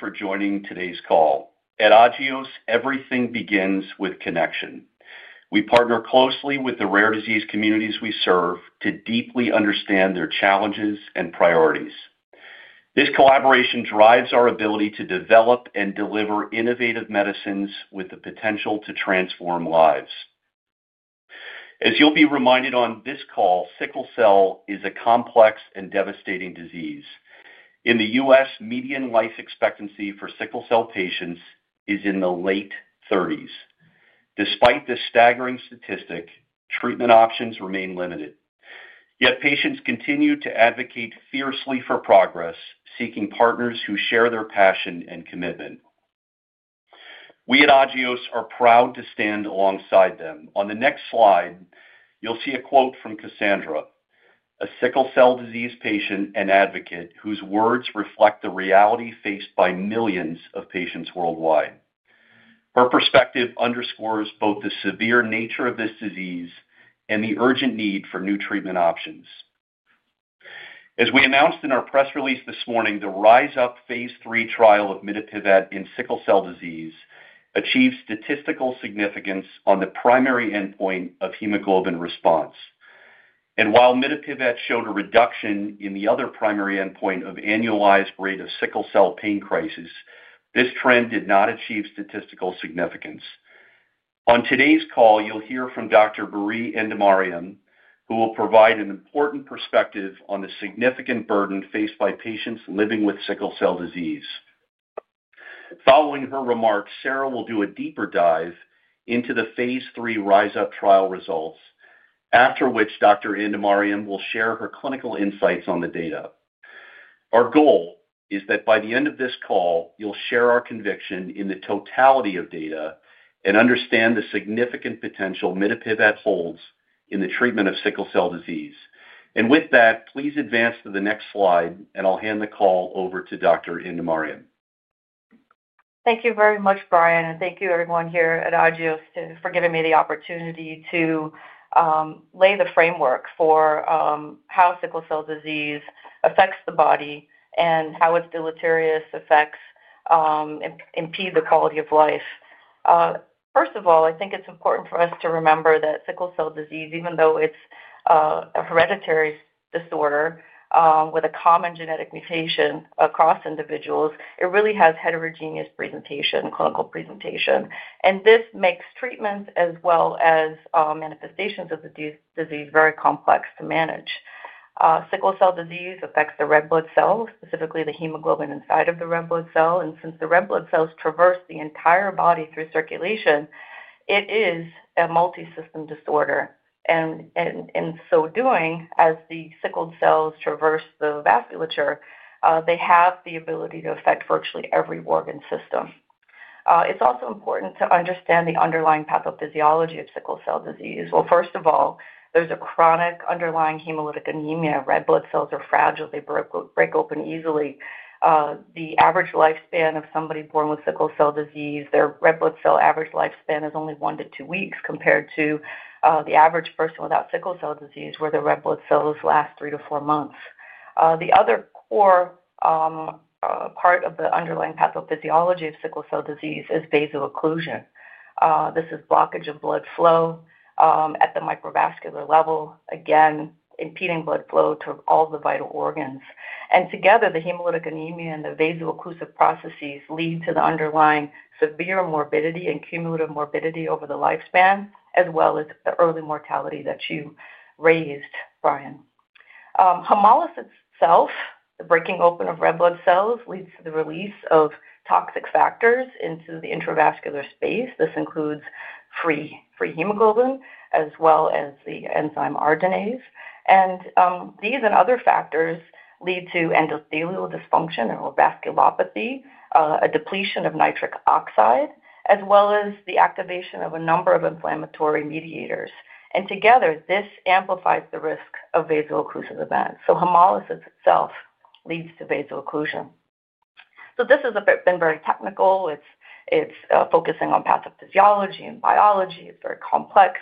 Thank you for joining today's call. At Agios, everything begins with connection. We partner closely with the rare disease communities we serve to deeply understand their challenges and priorities. This collaboration drives our ability to develop and deliver innovative medicines with the potential to transform lives. As you'll be reminded on this call, sickle cell is a complex and devastating disease. In the U.S., median life expectancy for sickle cell patients is in the late 30s. Despite this staggering statistic, treatment options remain limited. Yet patients continue to advocate fiercely for progress, seeking partners who share their passion and commitment. We at Agios are proud to stand alongside them. On the next slide, you'll see a quote from Cassandra, a sickle cell disease patient and advocate whose words reflect the reality faced by millions of patients worldwide. Her perspective underscores both the severe nature of this disease and the urgent need for new treatment options. As we announced in our press release this morning, the RISE UP phase III trial of mitapivat in sickle cell disease achieved statistical significance on the primary endpoint of hemoglobin response. Mitapivat showed a reduction in the other primary endpoint of annualized rate of sickle cell pain crisis, this trend did not achieve statistical significance. On today's call, you'll hear from Dr. Biree Andemariam, who will provide an important perspective on the significant burden faced by patients living with sickle cell disease. Following her remarks, Sarah will do a deeper dive into the phase III RISE UP trial results, after which Dr. Andemariam will share her clinical insights on the data. Our goal is that by the end of this call, you'll share our conviction in the totality of data and understand the significant potential mitapivat holds in the treatment of sickle cell disease. Please advance to the next slide, and I'll hand the call over to Dr. Andemariam. Thank you very much, Brian, and thank you everyone here at Agios for giving me the opportunity to lay the framework for how sickle cell disease affects the body and how its deleterious effects impede the quality of life. First of all, I think it's important for us to remember that sickle cell disease, even though it's a hereditary disorder with a common genetic mutation across individuals, it really has heterogeneous presentation, clinical presentation. This makes treatment as well as manifestations of the disease very complex to manage. Sickle cell disease affects the red blood cells, specifically the hemoglobin inside of the red blood cell. Since the red blood cells traverse the entire body through circulation, it is a multi-system disorder. In so doing, as the sickled cells traverse the vasculature, they have the ability to affect virtually every organ system. It's also important to understand the underlying pathophysiology of sickle cell disease. First of all, there's a chronic underlying hemolytic anemia. Red blood cells are fragile. They break open easily. The average lifespan of somebody born with sickle cell disease, their red blood cell average lifespan is only one to two weeks compared to the average person without sickle cell disease, where the red blood cells last three to four months. The other core part of the underlying pathophysiology of sickle cell disease is vasoocclusion. This is blockage of blood flow at the microvascular level, again, impeding blood flow to all the vital organs. Together, the hemolytic anemia and the vasoocclusive processes lead to the underlying severe morbidity and cumulative morbidity over the lifespan, as well as the early mortality that you raised, Brian. Hemolysis itself, the breaking open of red blood cells, leads to the release of toxic factors into the intravascular space. This includes free hemoglobin, as well as the enzyme arginase. These and other factors lead to endothelial dysfunction or vasculopathy, a depletion of nitric oxide, as well as the activation of a number of inflammatory mediators. Together, this amplifies the risk of vasoocclusive events. Hemolysis itself leads to vasoocclusion. This has been very technical. It's focusing on pathophysiology and biology. It's very complex.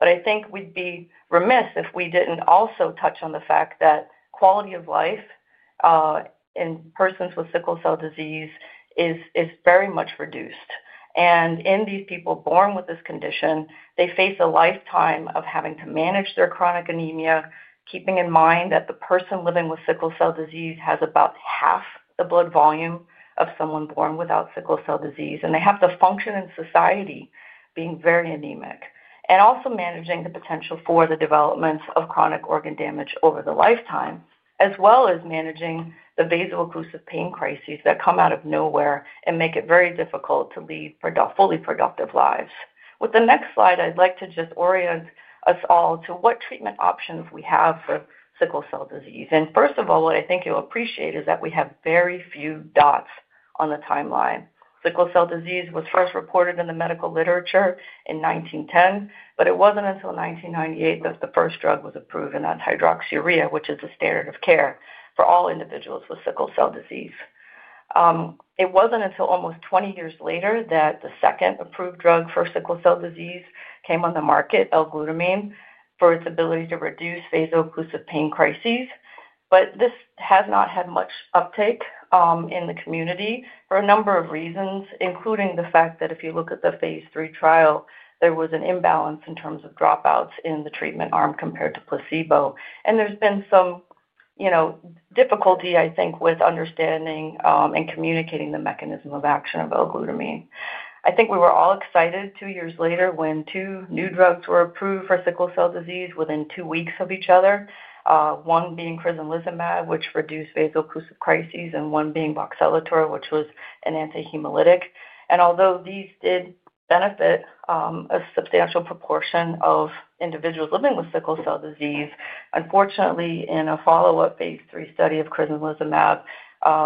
I think we'd be remiss if we didn't also touch on the fact that quality of life in persons with sickle cell disease is very much reduced. In these people born with this condition, they face a lifetime of having to manage their chronic anemia, keeping in mind that the person living with sickle cell disease has about half the blood volume of someone born without sickle cell disease. They have the function in society being very anemic. Also managing the potential for the development of chronic organ damage over the lifetime, as well as managing the vasoocclusive pain crises that come out of nowhere and make it very difficult to lead fully productive lives. With the next slide, I'd like to just orient us all to what treatment options we have for sickle cell disease. First of all, what I think you'll appreciate is that we have very few dots on the timeline. Sickle cell disease was first reported in the medical literature in 1910, but it wasn't until 1998 that the first drug was approved in that hydroxyurea, which is a standard of care for all individuals with sickle cell disease. It wasn't until almost 20 years later that the second approved drug for sickle cell disease came on the market, L-Glutamine, for its ability to reduce vasoocclusive pain crises. This has not had much uptake in the community for a number of reasons, including the fact that if you look at the phase III trial, there was an imbalance in terms of dropouts in the treatment arm compared to placebo. There has been some difficulty, I think, with understanding and communicating the mechanism of action of L-Glutamine. I think we were all excited two years later when two new drugs were approved for sickle cell disease within two weeks of each other, one being crizanlizumab, which reduced vasoocclusive crises, and one being voxelotor, which was an antihemolytic. Although these did benefit a substantial proportion of individuals living with sickle cell disease, unfortunately, in a follow-up phase III study of crizanlizumab,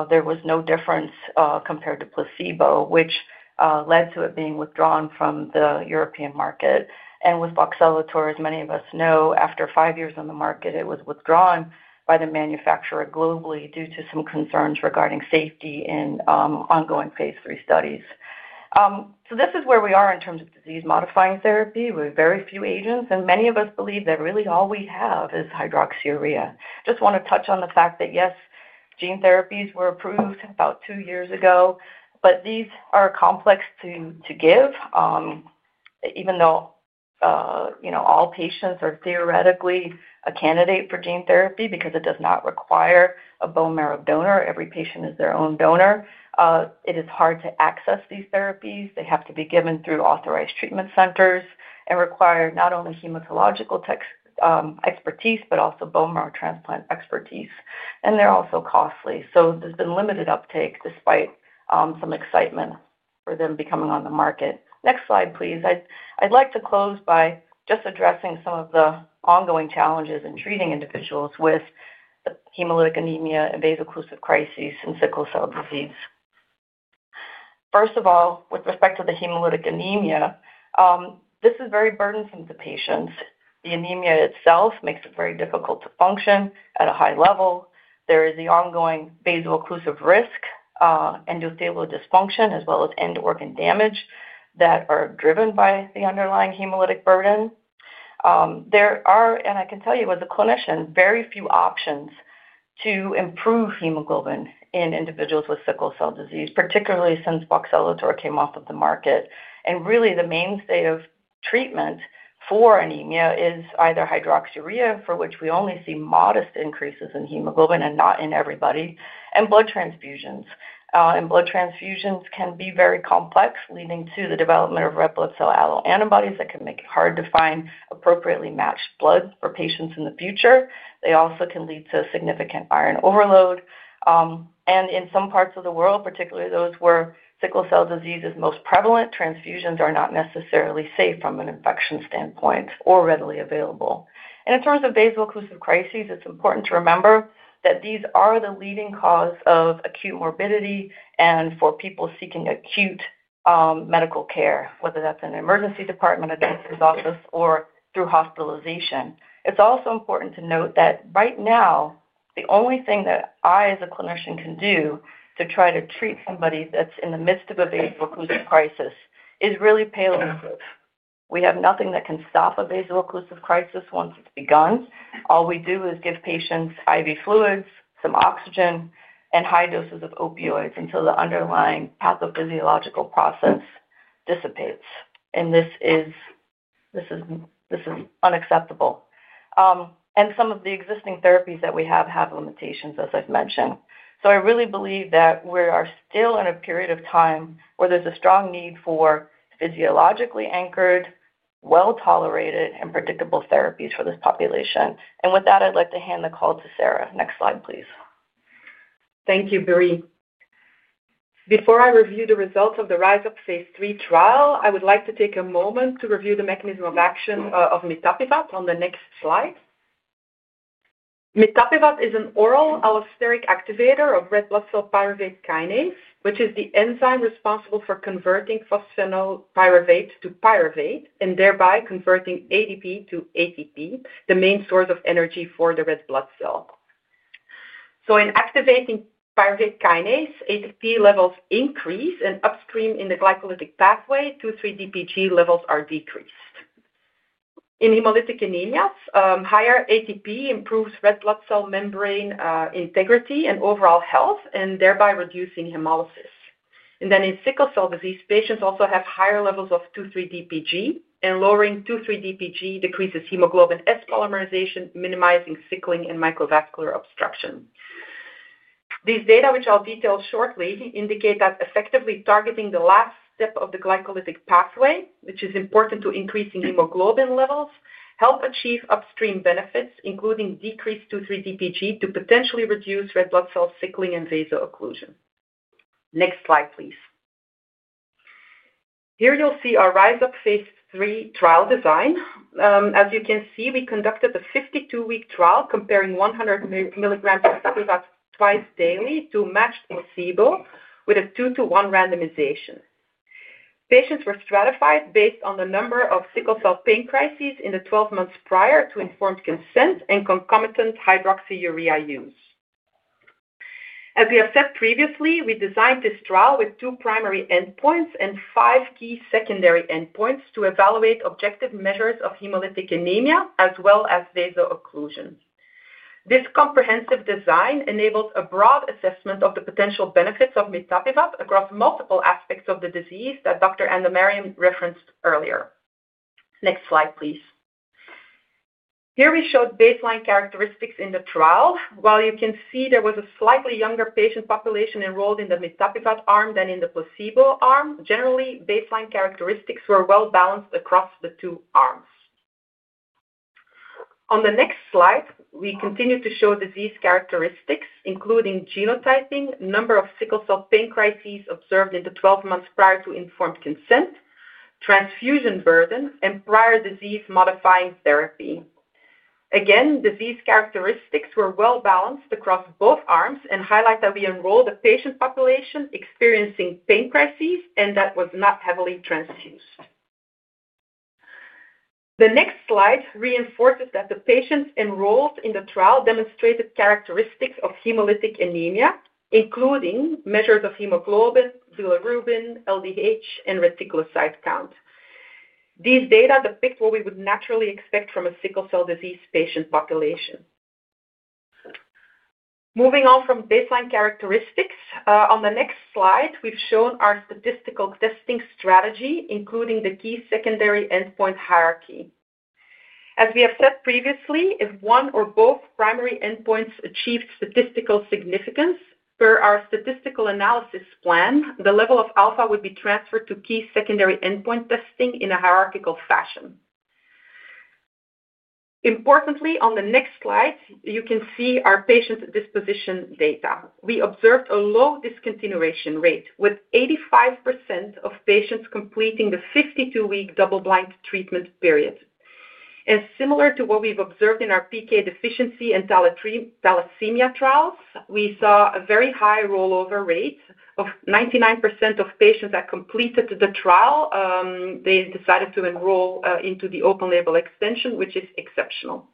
there was no difference compared to placebo, which led to it being withdrawn from the European market. With voxelotor, as many of us know, after five years on the market, it was withdrawn by the manufacturer globally due to some concerns regarding safety in ongoing phase III studies. This is where we are in terms of disease-modifying therapy with very few agents. Many of us believe that really all we have is hydroxyurea. Just want to touch on the fact that, yes, gene therapies were approved about two years ago, but these are complex to give. Even though all patients are theoretically a candidate for gene therapy because it does not require a bone marrow donor, every patient is their own donor, it is hard to access these therapies. They have to be given through authorized treatment centers and require not only hematological expertise, but also bone marrow transplant expertise. They are also costly. There has been limited uptake despite some excitement for them becoming on the market. Next slide, please. I'd like to close by just addressing some of the ongoing challenges in treating individuals with hemolytic anemia and vasoocclusive crises in sickle cell disease. First of all, with respect to the hemolytic anemia, this is very burdensome to patients. The anemia itself makes it very difficult to function at a high level. There is the ongoing vasoocclusive risk, endothelial dysfunction, as well as end-organ damage that are driven by the underlying hemolytic burden. There are, and I can tell you as a clinician, very few options to improve hemoglobin in individuals with sickle cell disease, particularly since voxelotor came off of the market. Really, the mainstay of treatment for anemia is either hydroxyurea, for which we only see modest increases in hemoglobin and not in everybody, and blood transfusions. Blood transfusions can be very complex, leading to the development of red blood cell alloantibodies that can make it hard to find appropriately matched blood for patients in the future. They also can lead to significant iron overload. In some parts of the world, particularly those where sickle cell disease is most prevalent, transfusions are not necessarily safe from an infection standpoint or readily available. In terms of vasoocclusive crises, it's important to remember that these are the leading cause of acute morbidity and for people seeking acute medical care, whether that's in an emergency department, a doctor's office, or through hospitalization. It's also important to note that right now, the only thing that I, as a clinician, can do to try to treat somebody that's in the midst of a vasoocclusive crisis is really palliative. We have nothing that can stop a vasoocclusive crisis once it's begun. All we do is give patients IV fluids, some oxygen, and high doses of opioids until the underlying pathophysiological process dissipates. This is unacceptable. Some of the existing therapies that we have have limitations, as I've mentioned. I really believe that we are still in a period of time where there's a strong need for physiologically anchored, well-tolerated, and predictable therapies for this population. With that, I'd like to hand the call to Sarah. Next slide, please. Thank you, Biree. Before I review the results of the RISE UP phase III trial, I would like to take a moment to review the mechanism of action of mitapivat on the next slide. Mitapivat is an oral allosteric activator of red blood cell pyruvate kinase, which is the enzyme responsible for converting phosphoenolpyruvate to pyruvate and thereby converting ADP to ATP, the main source of energy for the red blood cell. In activating pyruvate kinase, ATP levels increase and upstream in the glycolytic pathway, 2,3-DPG levels are decreased. In hemolytic anemias, higher ATP improves red blood cell membrane integrity and overall health, thereby reducing hemolysis. In sickle cell disease, patients also have higher levels of 2,3-DPG, and lowering 2,3-DPG decreases hemoglobin S polymerization, minimizing sickling and microvascular obstruction. These data, which I'll detail shortly, indicate that effectively targeting the last step of the glycolytic pathway, which is important to increasing hemoglobin levels, helps achieve upstream benefits, including decreased 2,3-DPG to potentially reduce red blood cell sickling and vasoocclusion. Next slide, please. Here you'll see our RISE UP phase III trial design. As you can see, we conducted a 52-week trial comparing 100 milligrams of mitapivat twice daily to matched placebo with a two-to-one randomization. Patients were stratified based on the number of sickle cell pain crises in the 12 months prior to informed consent and concomitant hydroxyurea use. As we have said previously, we designed this trial with two primary endpoints and five key secondary endpoints to evaluate objective measures of hemolytic anemia as well as vasoocclusion. This comprehensive design enables a broad assessment of the potential benefits of mitapivat across multiple aspects of the disease that Dr. Andemariam referenced earlier. Next slide, please. Here we showed baseline characteristics in the trial. While you can see there was a slightly younger patient population enrolled in the mitapivat arm than in the placebo arm, generally, baseline characteristics were well-balanced across the two arms. On the next slide, we continue to show disease characteristics, including genotyping, number of sickle cell pain crises observed in the 12 months prior to informed consent, transfusion burden, and prior disease-modifying therapy. Again, disease characteristics were well-balanced across both arms and highlight that we enrolled a patient population experiencing pain crises and that was not heavily transfused. The next slide reinforces that the patients enrolled in the trial demonstrated characteristics of hemolytic anemia, including measures of hemoglobin, bilirubin, LDH, and reticulocyte count. These data depict what we would naturally expect from a sickle cell disease patient population. Moving on from baseline characteristics, on the next slide, we've shown our statistical testing strategy, including the key secondary endpoint hierarchy. As we have said previously, if one or both primary endpoints achieved statistical significance, per our statistical analysis plan, the level of alpha would be transferred to key secondary endpoint testing in a hierarchical fashion. Importantly, on the next slide, you can see our patient disposition data. We observed a low discontinuation rate with 85% of patients completing the 52-week double-blind treatment period. Similar to what we've observed in our PK deficiency and thalassemia trials, we saw a very high rollover rate of 99% of patients that completed the trial, they decided to enroll into the open-label extension, which is exceptional.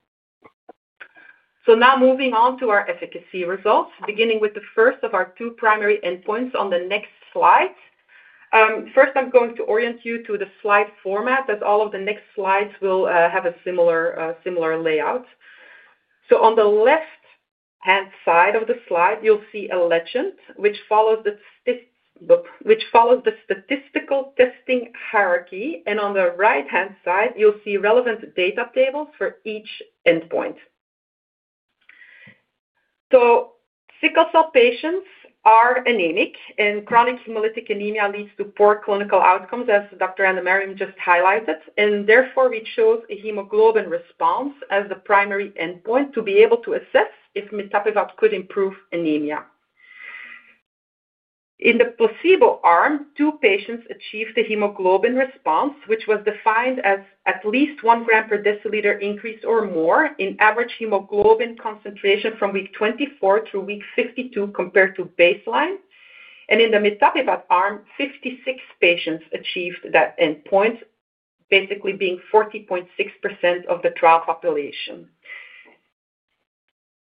Now moving on to our efficacy results, beginning with the first of our two primary endpoints on the next slide. First, I'm going to orient you to the slide format as all of the next slides will have a similar layout. On the left-hand side of the slide, you'll see a legend which follows the statistical testing hierarchy. On the right-hand side, you'll see relevant data tables for each endpoint. Sickle cell patients are anemic, and chronic hemolytic anemia leads to poor clinical outcomes, as Dr. Andemariam just highlighted. Therefore, we chose a hemoglobin response as the primary endpoint to be able to assess if mitapivat could improve anemia. In the placebo arm, two patients achieved a hemoglobin response, which was defined as at least 1 gram per deciliter increase or more in average hemoglobin concentration from week 24 through week 52 compared to baseline. In the mitapivat arm, 56 patients achieved that endpoint, basically being 40.6% of the trial population.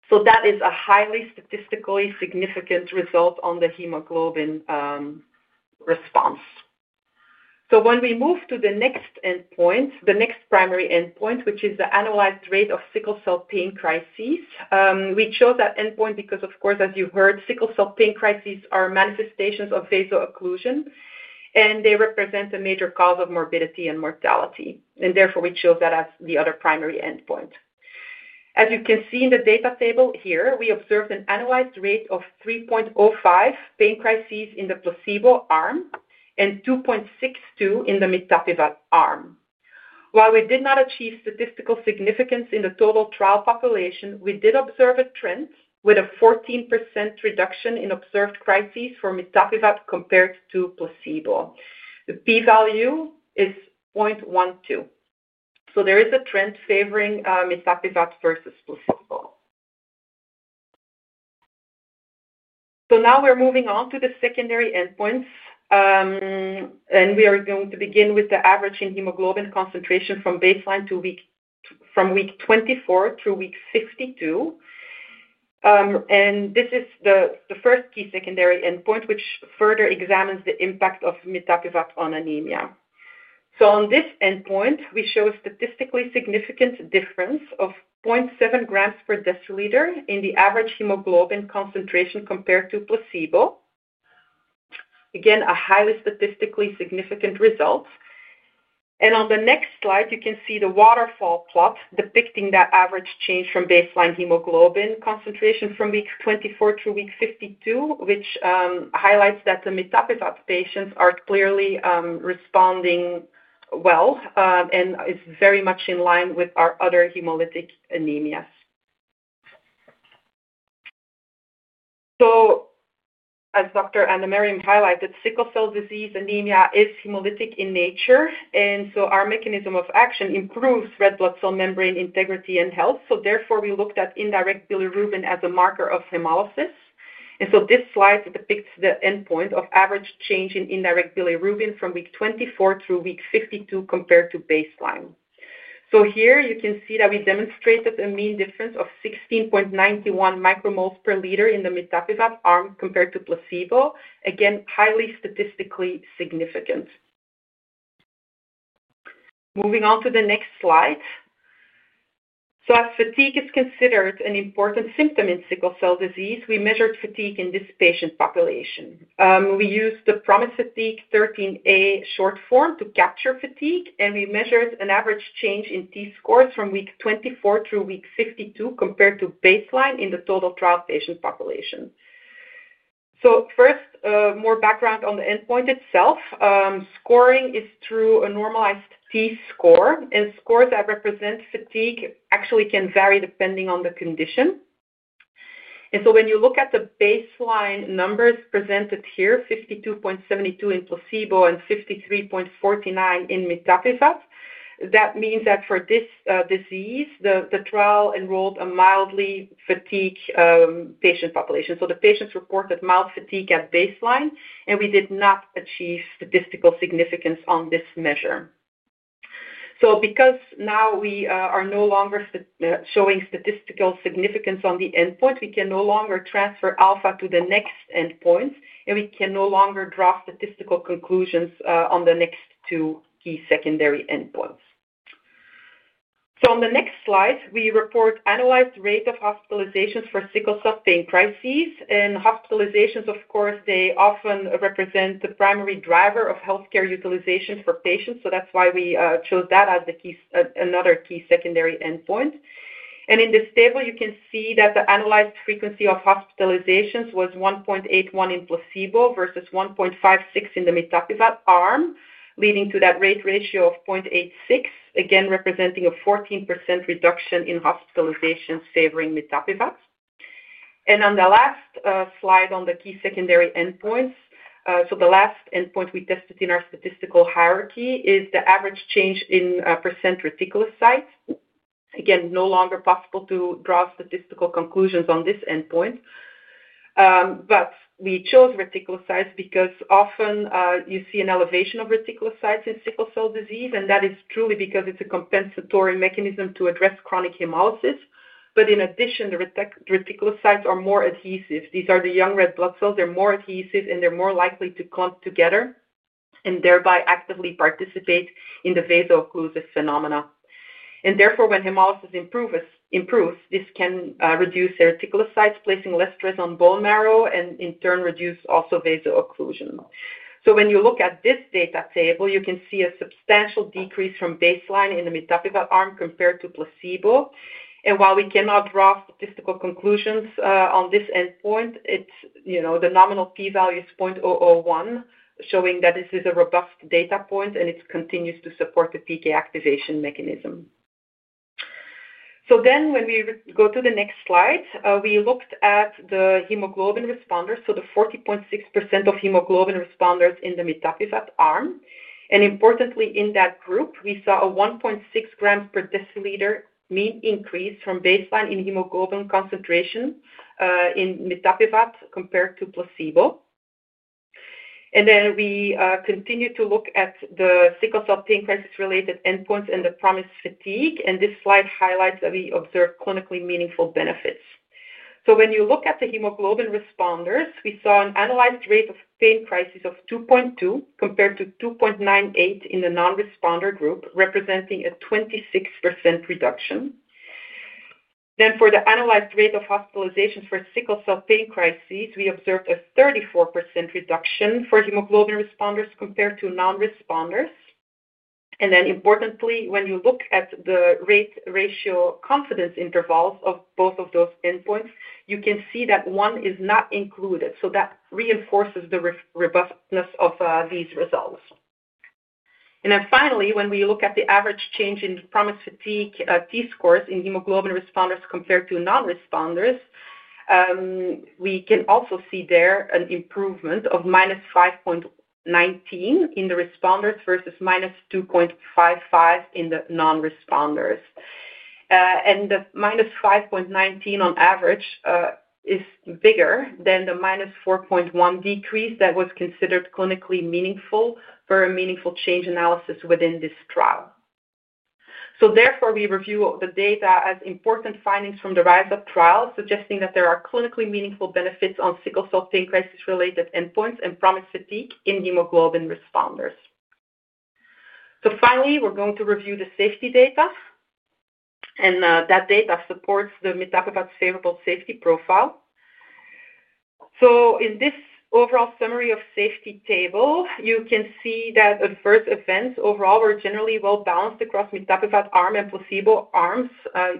That is a highly statistically significant result on the hemoglobin response. When we move to the next endpoint, the next primary endpoint, which is the analyzed rate of sickle cell pain crises, we chose that endpoint because, of course, as you heard, sickle cell pain crises are manifestations of vasoocclusion, and they represent a major cause of morbidity and mortality. Therefore, we chose that as the other primary endpoint. As you can see in the data table here, we observed an analyzed rate of 3.05 pain crises in the placebo arm and 2.62 in the mitapivat arm. While we did not achieve statistical significance in the total trial population, we did observe a trend with a 14% reduction in observed crises for mitapivat compared to placebo. The p-value is 0.12. There is a trend favoring mitapivat versus placebo. We are moving on to the secondary endpoints, and we are going to begin with the average in hemoglobin concentration from baseline to week from week 24 through week 52. This is the first key secondary endpoint, which further examines the impact of mitapivat on anemia. On this endpoint, we show a statistically significant difference of 0.7 grams per deciliter in the average hemoglobin concentration compared to placebo. Again, a highly statistically significant result. On the next slide, you can see the waterfall plot depicting that average change from baseline hemoglobin concentration from week 24 through week 52, which highlights that the mitapivat patients are clearly responding well and is very much in line with our other hemolytic anemias. As Dr. Andemariam highlighted, sickle cell disease anemia is hemolytic in nature. Our mechanism of action improves red blood cell membrane integrity and health. Therefore, we looked at indirect bilirubin as a marker of hemolysis. This slide depicts the endpoint of average change in indirect bilirubin from week 24 through week 52 compared to baseline. Here, you can see that we demonstrated a mean difference of 16.91 micromoles per liter in the mitapivat arm compared to placebo. Again, highly statistically significant. Moving on to the next slide. As fatigue is considered an important symptom in sickle cell disease, we measured fatigue in this patient population. We used the PROMIS-Fatigue 13A short form to capture fatigue, and we measured an average change in T-scores from week 24 through week 52 compared to baseline in the total trial patient population. First, more background on the endpoint itself. Scoring is through a normalized T-score, and scores that represent fatigue actually can vary depending on the condition. When you look at the baseline numbers presented here, 52.72 in placebo and 53.49 in mitapivat, that means that for this disease, the trial enrolled a mildly fatigued patient population. The patients reported mild fatigue at baseline, and we did not achieve statistical significance on this measure. Because now we are no longer showing statistical significance on the endpoint, we can no longer transfer alpha to the next endpoint, and we can no longer draw statistical conclusions on the next two key secondary endpoints. On the next slide, we report analyzed rate of hospitalizations for sickle cell pain crises. Hospitalizations, of course, often represent the primary driver of healthcare utilization for patients. That is why we chose that as another key secondary endpoint. In this table, you can see that the analyzed frequency of hospitalizations was 1.81 in placebo versus 1.56 in the mitapivat arm, leading to that rate ratio of 0.86, again representing a 14% reduction in hospitalizations favoring mitapivat. On the last slide on the key secondary endpoints, the last endpoint we tested in our statistical hierarchy is the average change in percent reticulocytes. Again, no longer possible to draw statistical conclusions on this endpoint, but we chose reticulocytes because often you see an elevation of reticulocytes in sickle cell disease, and that is truly because it's a compensatory mechanism to address chronic hemolysis. In addition, the reticulocytes are more adhesive. These are the young red blood cells. They're more adhesive, and they're more likely to clump together and thereby actively participate in the vasoocclusive phenomena. Therefore, when hemolysis improves, this can reduce reticulocytes, placing less stress on bone marrow, and in turn, reduce also vasoocclusion. When you look at this data table, you can see a substantial decrease from baseline in the mitapivat arm compared to placebo. While we cannot draw statistical conclusions on this endpoint, the nominal p-value is 0.001, showing that this is a robust data point, and it continues to support the PK activation mechanism. When we go to the next slide, we looked at the hemoglobin responders, so the 40.6% of hemoglobin responders in the mitapivat arm. Importantly, in that group, we saw a 1.6 grams per deciliter mean increase from baseline in hemoglobin concentration in mitapivat compared to placebo. We continued to look at the sickle cell pain crisis-related endpoints and the PROMIS-Fatigue. This slide highlights that we observed clinically meaningful benefits. When you look at the hemoglobin responders, we saw an analyzed rate of pain crises of 2.2 compared to 2.98 in the non-responders group, representing a 26% reduction. For the analyzed rate of hospitalizations for sickle cell pain crises, we observed a 34% reduction for hemoglobin responders compared to non-responders. Importantly, when you look at the rate ratio confidence intervals of both of those endpoints, you can see that one is not included. That reinforces the robustness of these results. Finally, when we look at the average change in PROMIS-Fatigue T-scores in hemoglobin responders compared to non-responders, we can also see there an improvement of minus 5.19 in the responders versus minus 2.55 in the non-responders. The minus 5.19 on average is bigger than the minus 4.1 decrease that was considered clinically meaningful for a meaningful change analysis within this trial. Therefore, we review the data as important findings from the RISE UP trial suggesting that there are clinically meaningful benefits on sickle cell pain crisis-related endpoints and PROMIS-Fatigue in hemoglobin responders. Finally, we are going to review the safety data, and that data supports the mitapivat favorable safety profile. In this overall summary of safety table, you can see that adverse events overall were generally well-balanced across the mitapivat arm and placebo arms. I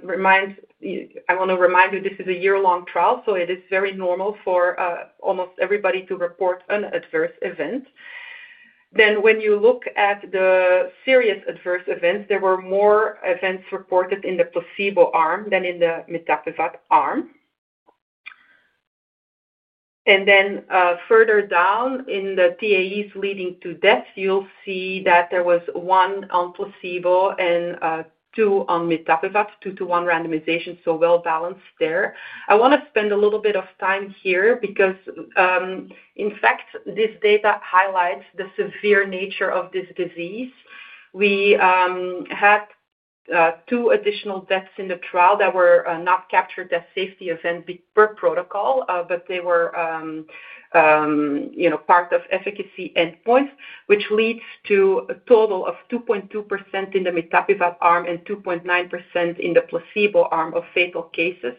want to remind you this is a year-long trial, so it is very normal for almost everybody to report an adverse event. When you look at the serious adverse events, there were more events reported in the placebo arm than in the mitapivat arm. Further down in the TAEs leading to death, you'll see that there was one on placebo and two on mitapivat, two-to-one randomization, so well-balanced there. I want to spend a little bit of time here because, in fact, this data highlights the severe nature of this disease. We had two additional deaths in the trial that were not captured as safety events per protocol, but they were part of efficacy endpoints, which leads to a total of 2.2% in the mitapivat arm and 2.9% in the placebo arm of fatal cases.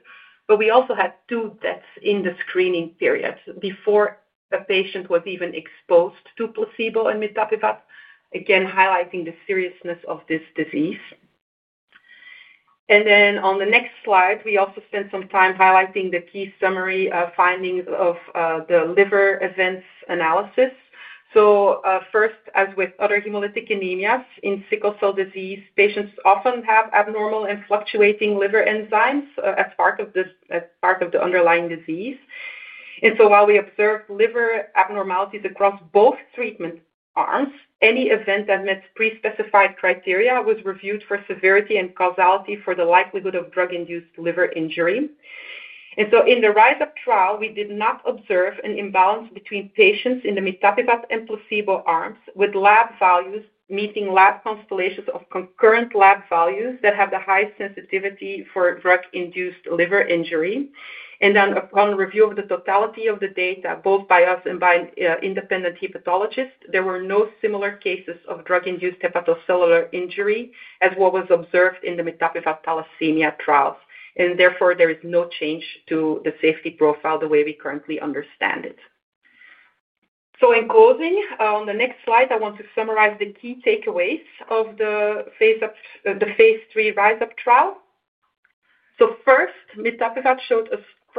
We also had two deaths in the screening period before a patient was even exposed to placebo and mitapivat, again highlighting the seriousness of this disease. On the next slide, we also spent some time highlighting the key summary findings of the liver events analysis. First, as with other hemolytic anemias, in sickle cell disease, patients often have abnormal and fluctuating liver enzymes as part of the underlying disease. While we observed liver abnormalities across both treatment arms, any event that met pre-specified criteria was reviewed for severity and causality for the likelihood of drug-induced liver injury. In the RISE UP trial, we did not observe an imbalance between patients in the mitapivat and placebo arms with lab values meeting lab constellations of concurrent lab values that have the highest sensitivity for drug-induced liver injury. Upon review of the totality of the data, both by us and by independent hepatologists, there were no similar cases of drug-induced hepatocellular injury as what was observed in the mitapivat thalassemia trials. Therefore, there is no change to the safety profile the way we currently understand it. In closing, on the next slide, I want to summarize the key takeaways of the phase III RISE UP trial. First, mitapivat showed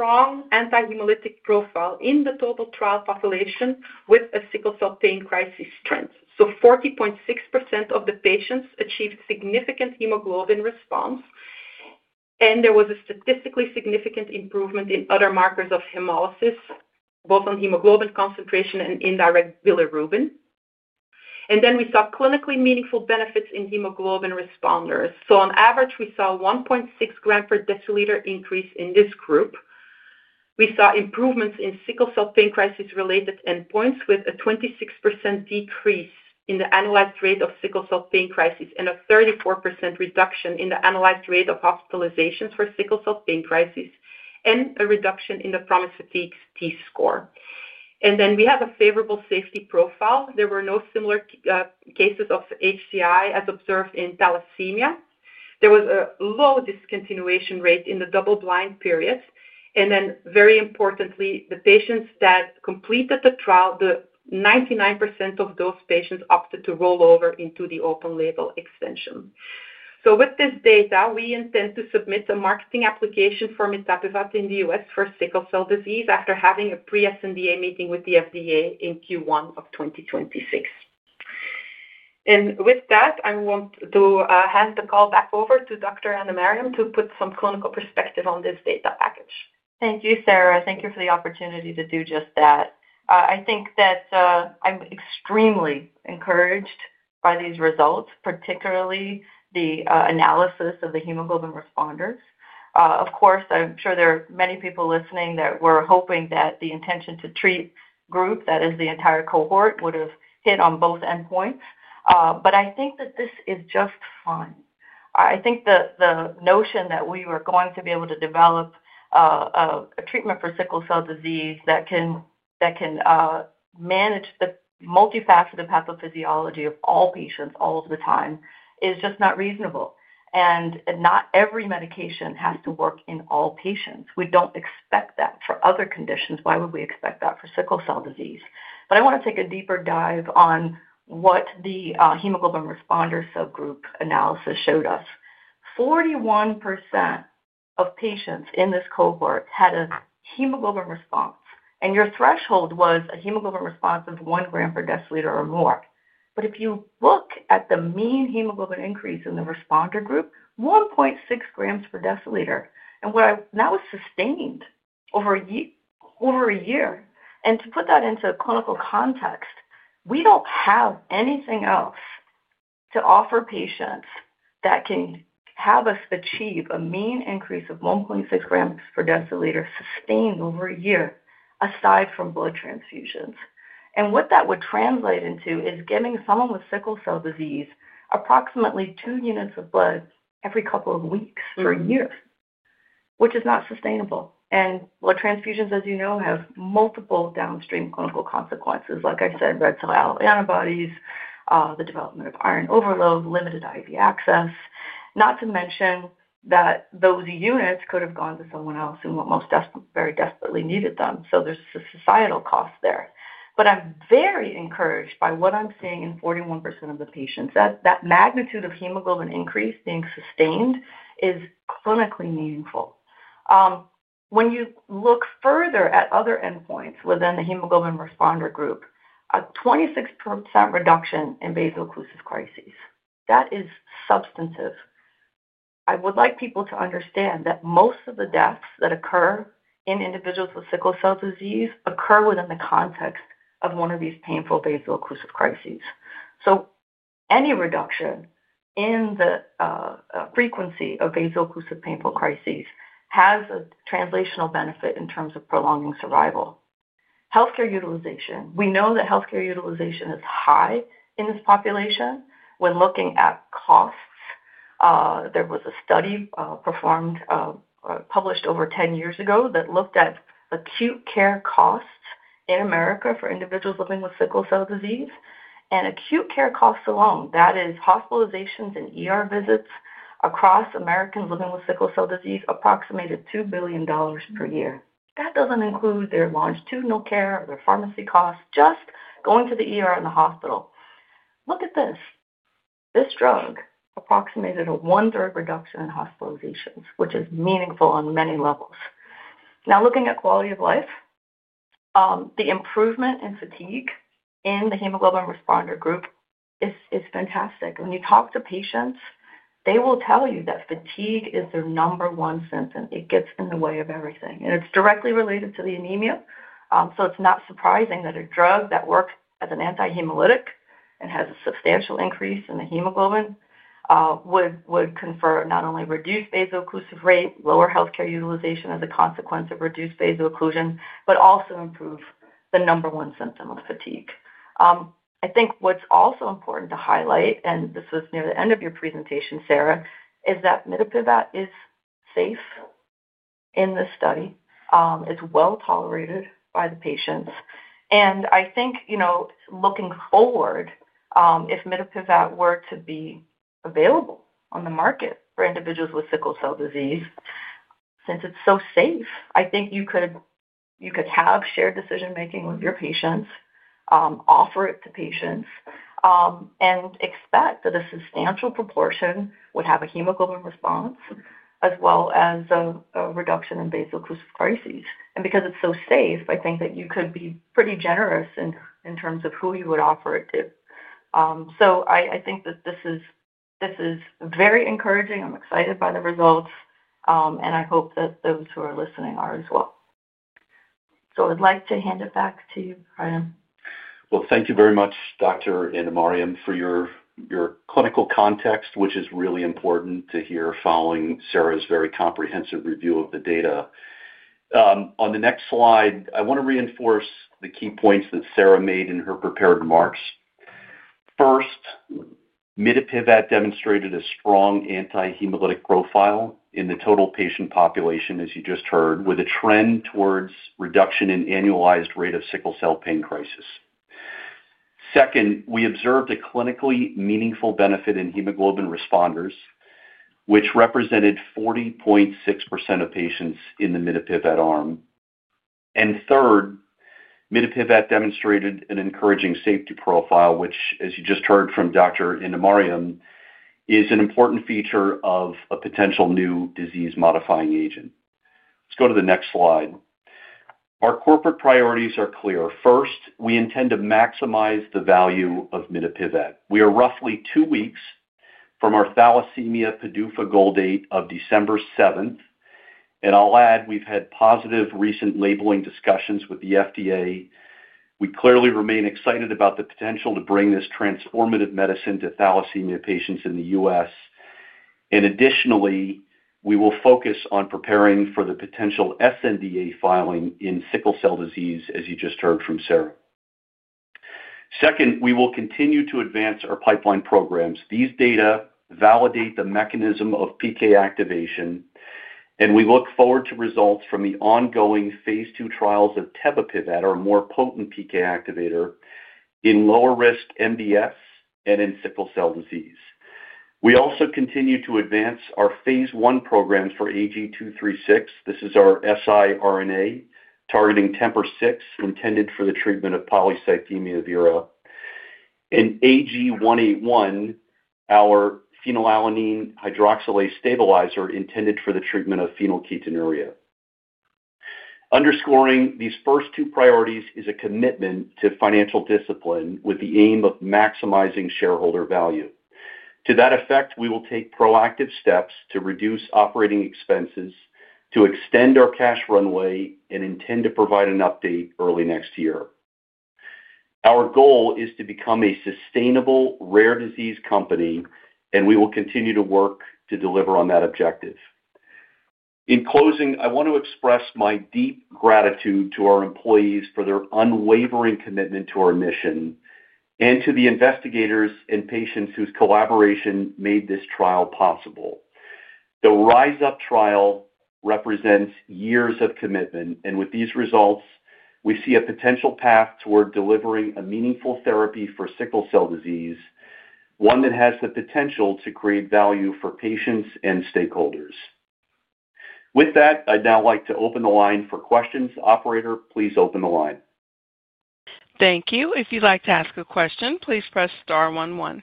a strong anti-hemolytic profile in the total trial population with a sickle cell pain crisis trend. 40.6% of the patients achieved significant hemoglobin response, and there was a statistically significant improvement in other markers of hemolysis, both on hemoglobin concentration and indirect bilirubin. We saw clinically meaningful benefits in hemoglobin responders. On average, we saw a 1.6 gram per deciliter increase in this group. We saw improvements in sickle cell pain crisis-related endpoints with a 26% decrease in the analyzed rate of sickle cell pain crises and a 34% reduction in the analyzed rate of hospitalizations for sickle cell pain crises and a reduction in the PROMIS-Fatigue T-score. We have a favorable safety profile. There were no similar cases of HCI as observed in thalassemia. There was a low discontinuation rate in the double-blind period. Very importantly, the patients that completed the trial, 99% of those patients opted to roll over into the open-label extension. With this data, we intend to submit a marketing application for mitapivat in the US for sickle cell disease after having a pre-SNDA meeting with the FDA in Q1 of 2026. With that, I want to hand the call back over to Dr. Andemariam to put some clinical perspective on this data package. Thank you, Sarah. Thank you for the opportunity to do just that. I think that I'm extremely encouraged by these results, particularly the analysis of the hemoglobin responders. Of course, I'm sure there are many people listening that were hoping that the intention to treat group, that is, the entire cohort, would have hit on both endpoints. I think that this is just fine. I think the notion that we were going to be able to develop a treatment for sickle cell disease that can manage the multifaceted pathophysiology of all patients all of the time is just not reasonable. Not every medication has to work in all patients. We don't expect that for other conditions. Why would we expect that for sickle cell disease? I want to take a deeper dive on what the hemoglobin responders subgroup analysis showed us. 41% of patients in this cohort had a hemoglobin response, and your threshold was a hemoglobin response of one gram per deciliter or more. If you look at the mean hemoglobin increase in the responder group, 1.6 grams per deciliter, and that was sustained over a year. To put that into clinical context, we do not have anything else to offer patients that can have us achieve a mean increase of 1.6 grams per deciliter sustained over a year aside from blood transfusions. What that would translate into is giving someone with sickle cell disease approximately two units of blood every couple of weeks for a year, which is not sustainable. Blood transfusions, as you know, have multiple downstream clinical consequences, like I said, red cell antibodies, the development of iron overload, limited IV access, not to mention that those units could have gone to someone else who most very desperately needed them. There is a societal cost there. I'm very encouraged by what I'm seeing in 41% of the patients, that that magnitude of hemoglobin increase being sustained is clinically meaningful. When you look further at other endpoints within the hemoglobin responder group, a 26% reduction in vaso-occlusive crises. That is substantive. I would like people to understand that most of the deaths that occur in individuals with sickle cell disease occur within the context of one of these painful vaso-occlusive crises. Any reduction in the frequency of vaso-occlusive painful crises has a translational benefit in terms of prolonging survival. Healthcare utilization. We know that healthcare utilization is high in this population. When looking at costs, there was a study published over 10 years ago that looked at acute care costs in America for individuals living with sickle cell disease. Acute care costs alone, that is hospitalizations and visits across Americans living with sickle cell disease, approximated $2 billion per year. That does not include their longitudinal care or their pharmacy costs, just going to the and the hospital. Look at this. This drug approximated a one-third reduction in hospitalizations, which is meaningful on many levels. Now, looking at quality of life, the improvement in fatigue in the hemoglobin responder group is fantastic. When you talk to patients, they will tell you that fatigue is their number one symptom. It gets in the way of everything. It is directly related to the anemia. It is not surprising that a drug that works as an anti-hemolytic and has a substantial increase in the hemoglobin would confer not only reduced vaso-occlusive rate, lower healthcare utilization as a consequence of reduced vaso-occlusion, but also improve the number one symptom of fatigue. I think what's also important to highlight, and this was near the end of your presentation, Sarah, is that mitapivat is safe in this study. It's well-tolerated by the patients. I think looking forward, if mitapivat were to be available on the market for individuals with sickle cell disease, since it's so safe, I think you could have shared decision-making with your patients, offer it to patients, and expect that a substantial proportion would have a hemoglobin response as well as a reduction in vaso-occlusive crises. Because it's so safe, I think that you could be pretty generous in terms of who you would offer it to. I think that this is very encouraging. I'm excited by the results, and I hope that those who are listening are as well. I'd like to hand it back to you, Ryan. Thank you very much, Dr. Andemariam, for your clinical context, which is really important to hear following Sarah's very comprehensive review of the data. On the next slide, I want to reinforce the key points that Sarah made in her prepared remarks. First, mitapivat demonstrated a strong anti-hemolytic profile in the total patient population, as you just heard, with a trend towards reduction in annualized rate of sickle cell pain crisis. Second, we observed a clinically meaningful benefit in hemoglobin responders, which represented 40.6% of patients in the mitapivat arm. Third, mitapivat demonstrated an encouraging safety profile, which, as you just heard from Dr. Andemariam, is an important feature of a potential new disease-modifying agent. Let's go to the next slide. Our corporate priorities are clear. First, we intend to maximize the value of mitapivat. We are roughly two weeks from our thalassemia PDUFA goal date of December 7. I'll add we've had positive recent labeling discussions with the FDA. We clearly remain excited about the potential to bring this transformative medicine to thalassemia patients in the US. Additionally, we will focus on preparing for the potential SNDA filing in sickle cell disease, as you just heard from Sarah. Second, we will continue to advance our pipeline programs. These data validate the mechanism of PK activation, phenylalanine hydroxylase stabilizer intended for the treatment of phenylketonuria. Underscoring these first two priorities is a commitment to financial discipline with the aim of maximizing shareholder value. To that effect, we will take proactive steps to reduce operating expenses, to extend our cash runway, and intend to provide an update early next year. Our goal is to become a sustainable rare disease company, and we will continue to work to deliver on that objective. In closing, I want to express my deep gratitude to our employees for their unwavering commitment to our mission and to the investigators and patients whose collaboration made this trial possible. The RISE UP trial represents years of commitment, and with these results, we see a potential path toward delivering a meaningful therapy for sickle cell disease, one that has the potential to create value for patients and stakeholders. With that, I'd now like to open the line for questions. Operator, please open the line. Thank you. If you'd like to ask a question, please press star 11.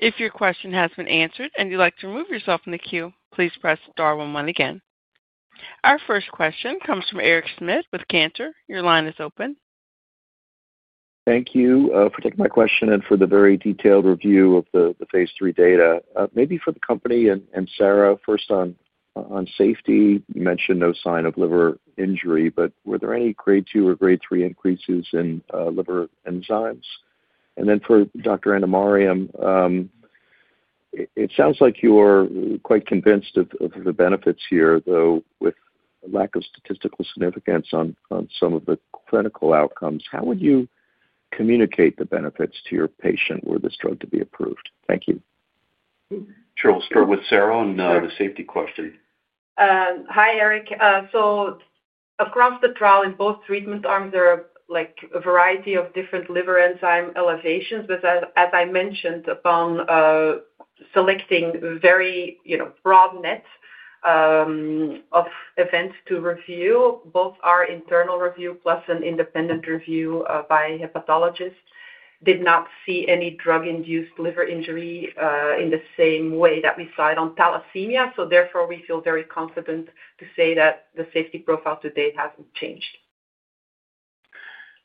If your question has been answered and you'd like to remove yourself from the queue, please press star 11 again. Our first question comes from Eric Smith with Cantor. Your line is open. Thank you for taking my question and for the very detailed review of the phase III data. Maybe for the company and Sarah, first on safety, you mentioned no sign of liver injury, but were there any grade two or grade three increases in liver enzymes? For Dr. Andemariam, it sounds like you're quite convinced of the benefits here, though with a lack of statistical significance on some of the clinical outcomes. How would you communicate the benefits to your patient were this drug to be approved? Thank you. Sure. We'll start with Sarah on the safety question. Hi, Eric. Across the trial, in both treatment arms, there are a variety of different liver enzyme elevations. As I mentioned, upon selecting a very broad net of events to review, both our internal review plus an independent review by hepatologists did not see any drug-induced liver injury in the same way that we saw it on thalassemia. Therefore, we feel very confident to say that the safety profile today has not changed.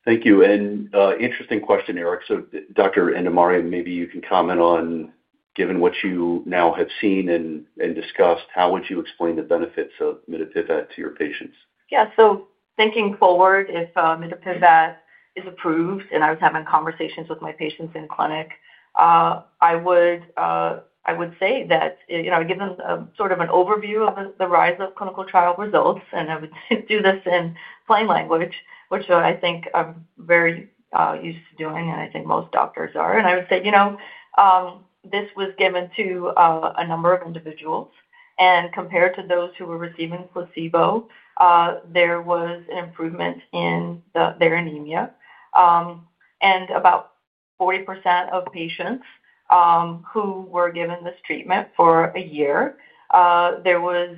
Thank you. Interesting question, Eric. Dr. Andemariam, maybe you can comment on, given what you now have seen and discussed, how would you explain the benefits of mitapivat to your patients? Yeah. Thinking forward, if mitapivat is approved and I was having conversations with my patients in clinic, I would say that given sort of an overview of the RISE UP clinical trial results, and I would do this in plain language, which I think I'm very used to doing and I think most doctors are, I would say this was given to a number of individuals. Compared to those who were receiving placebo, there was an improvement in their anemia. About 40% of patients who were given this treatment for a year, there was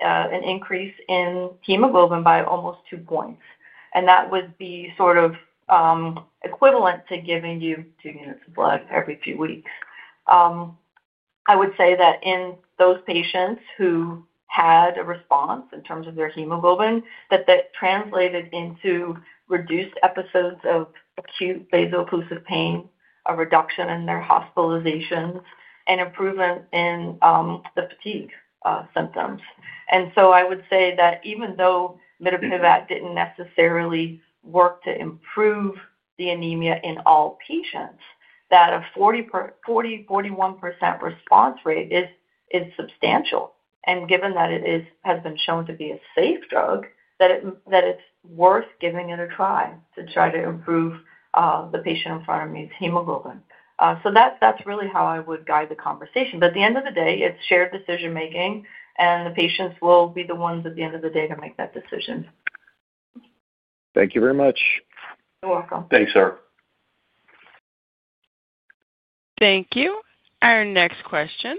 an increase in hemoglobin by almost two points. That would be sort of equivalent to giving you two units of blood every few weeks. I would say that in those patients who had a response in terms of their hemoglobin, that that translated into reduced episodes of acute vaso-occlusive pain, a reduction in their hospitalizations, and improvement in the fatigue symptoms. I would say that even though mitapivat did not necessarily work to improve the anemia in all patients, that a 40-41% response rate is substantial. Given that it has been shown to be a safe drug, it is worth giving it a try to try to improve the patient in front of me's hemoglobin. That is really how I would guide the conversation. At the end of the day, it is shared decision-making, and the patients will be the ones at the end of the day to make that decision. Thank you very much. You're welcome. Thanks, Sarah. Thank you. Our next question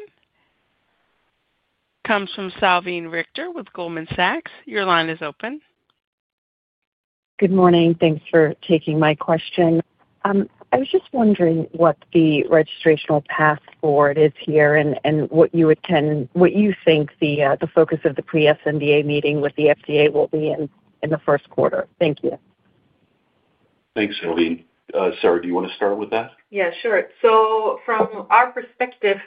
comes from Salveen Richter with Goldman Sachs. Your line is open. Good morning. Thanks for taking my question. I was just wondering what the registration path forward is here and what you think the focus of the pre-SNDA meeting with the FDA will be in the first quarter. Thank you. Thanks, Salveen. Sarah, do you want to start with that? Yeah, sure. From our perspective,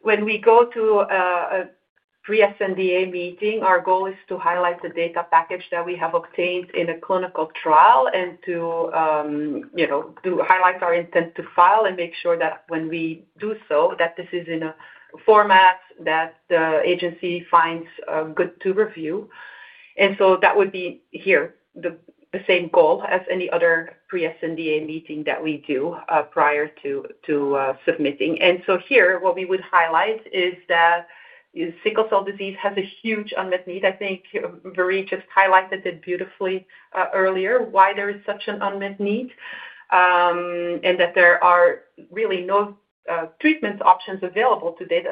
when we go to a pre-SNDA meeting, our goal is to highlight the data package that we have obtained in a clinical trial and to highlight our intent to file and make sure that when we do so, that this is in a format that the agency finds good to review. That would be here, the same goal as any other pre-SNDA meeting that we do prior to submitting. Here, what we would highlight is that sickle cell disease has a huge unmet need. I think Biree just highlighted it beautifully earlier, why there is such an unmet need, and that there are really no treatment options available today,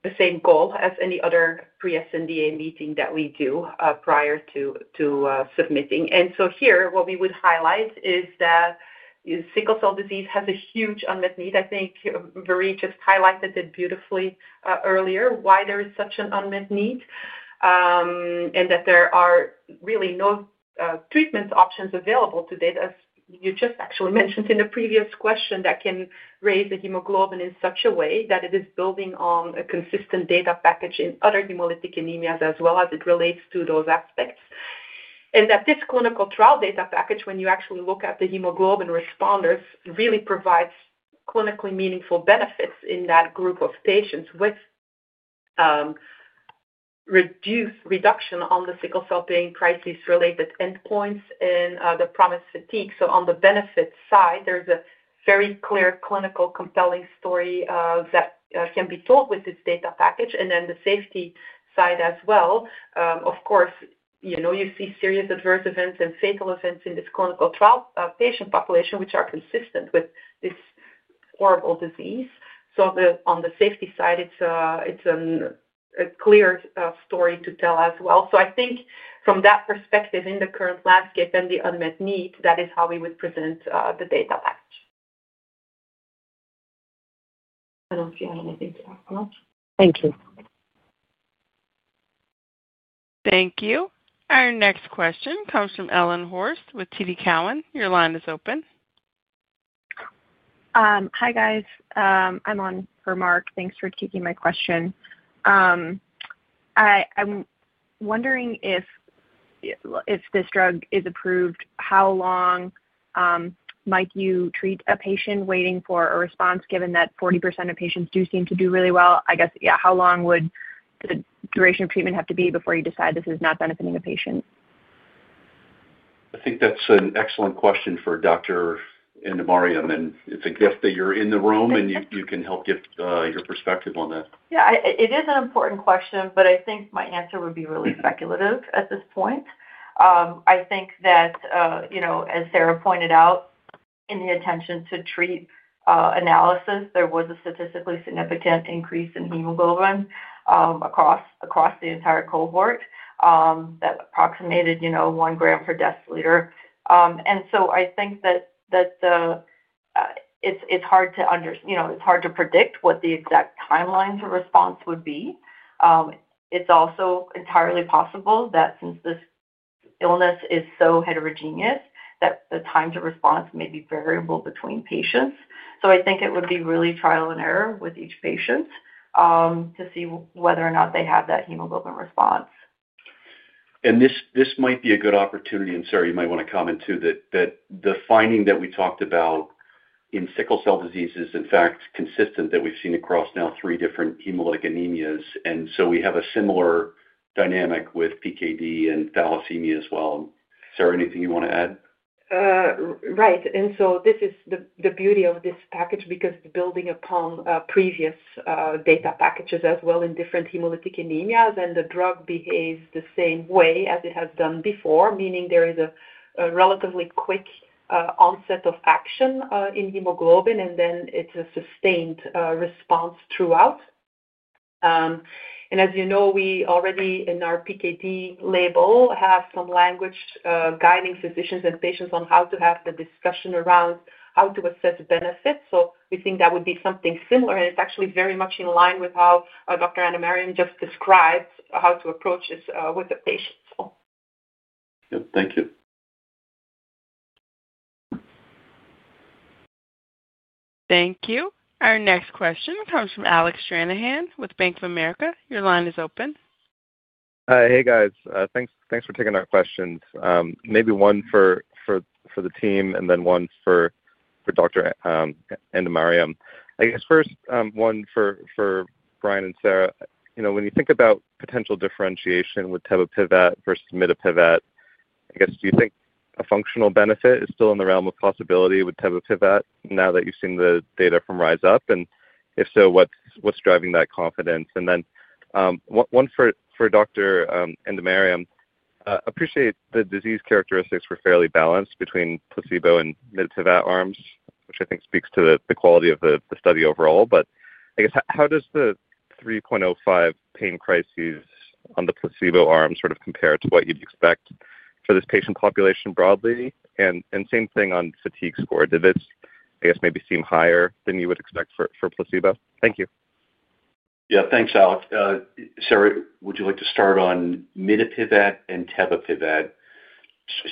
as you just actually mentioned in the previous question, that can raise the hemoglobin in such a way that it is building on a consistent data package in other hemolytic anemias as well as it relates to those aspects. That this clinical trial data package, when you actually look at the hemoglobin responders, really provides clinically meaningful benefits in that group of patients with reduction on the sickle cell pain crisis-related endpoints and the PROMIS-Fatigue. On the benefit side, there's a very clear clinical compelling story that can be told with this data package, and then the safety side as well. Of course, you see serious adverse events and fatal events in this clinical trial patient population, which are consistent with this horrible disease. On the safety side, it's a clear story to tell as well. I think from that perspective, in the current landscape and the unmet need, that is how we would present the data package. I don't see anything to ask now. Thank you. Thank you. Our next question comes from Ellen Hoce with TD Cowen. Your line is open. Hi, guys. I'm on for Mark. Thanks for taking my question. I'm wondering if this drug is approved, how long might you treat a patient waiting for a response, given that 40% of patients do seem to do really well? I guess, yeah, how long would the duration of treatment have to be before you decide this is not benefiting a patient? I think that's an excellent question for Dr. Andemariam. It's a gift that you're in the room, and you can help give your perspective on that. Yeah. It is an important question, but I think my answer would be really speculative at this point. I think that, as Sarah pointed out, in the intention to treat analysis, there was a statistically significant increase in hemoglobin across the entire cohort that approximated one gram per deciliter. I think that it's hard to understand, it's hard to predict what the exact timelines of response would be. It's also entirely possible that since this illness is so heterogeneous that the times of response may be variable between patients. I think it would be really trial and error with each patient to see whether or not they have that hemoglobin response. This might be a good opportunity. Sarah, you might want to comment too that the finding that we talked about in sickle cell disease is, in fact, consistent that we've seen across now three different hemolytic anemias. We have a similar dynamic with PKD and thalassemia as well. Sarah, anything you want to add? Right. This is the beauty of this package because it's building upon previous data packages as well in different hemolytic anemias, and the drug behaves the same way as it has done before, meaning there is a relatively quick onset of action in hemoglobin, and then it's a sustained response throughout. As you know, we already in our PKD label have some language guiding physicians and patients on how to have the discussion around how to assess benefits. We think that would be something similar, and it's actually very much in line with how Dr. Andemariam just described how to approach this with the patients. Yep. Thank you. Thank you. Our next question comes from Alec Shanahan with Bank of America. Your line is open. Hey, guys. Thanks for taking our questions. Maybe one for the team and then one for Dr. Andemariam. I guess first, one for Brian and Sarah. When you think about potential differentiation with tebipivat versus mitapivat, I guess, do you think a functional benefit is still in the realm of possibility with tebipivat now that you've seen the data from RISE UP? If so, what's driving that confidence? One for Dr. Andemariam. I appreciate the disease characteristics were fairly balanced between placebo and mitapivat arms, which I think speaks to the quality of the study overall. I guess, how does the 3.05 pain crises on the placebo arm sort of compare to what you'd expect for this patient population broadly? Same thing on fatigue score. Did this, I guess, maybe seem higher than you would expect for placebo? Thank you. Yeah. Thanks, Alec. Sarah, would you like to start on mitapivat and tebipivat?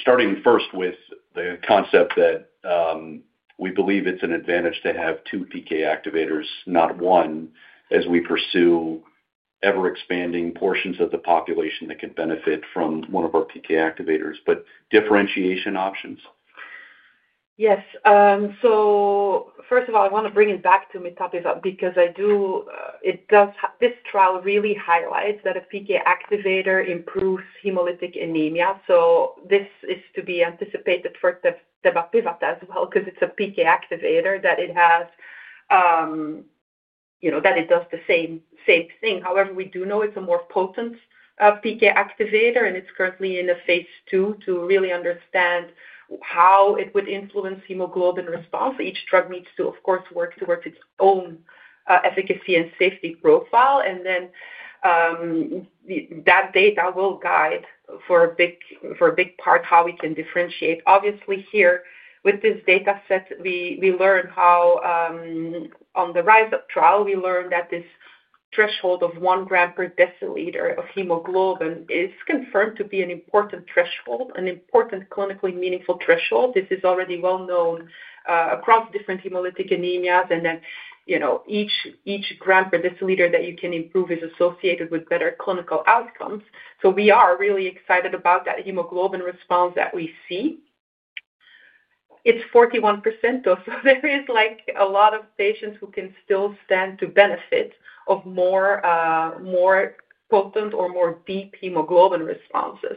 Starting first with the concept that we believe it's an advantage to have two PK activators, not one, as we pursue ever-expanding portions of the population that could benefit from one of our PK activators. But differentiation options? Yes. First of all, I want to bring it back to mitapivat because this trial really highlights that a PK activator improves hemolytic anemia. This is to be anticipated for tebipivat as well because it's a PK activator that does the same thing. However, we do know it's a more potent PK activator, and it's currently in a phase two to really understand how it would influence hemoglobin response. Each drug needs to, of course, work towards its own efficacy and safety profile. That data will guide for a big part how we can differentiate. Obviously, here with this data set, we learned how on the RISE UP trial, we learned that this threshold of 1 gram per deciliter of hemoglobin is confirmed to be an important threshold, an important clinically meaningful threshold. This is already well known across different hemolytic anemias, and that each gram per deciliter that you can improve is associated with better clinical outcomes. We are really excited about that hemoglobin response that we see. It's 41%, though. There is a lot of patients who can still stand to benefit of more potent or more deep hemoglobin responses.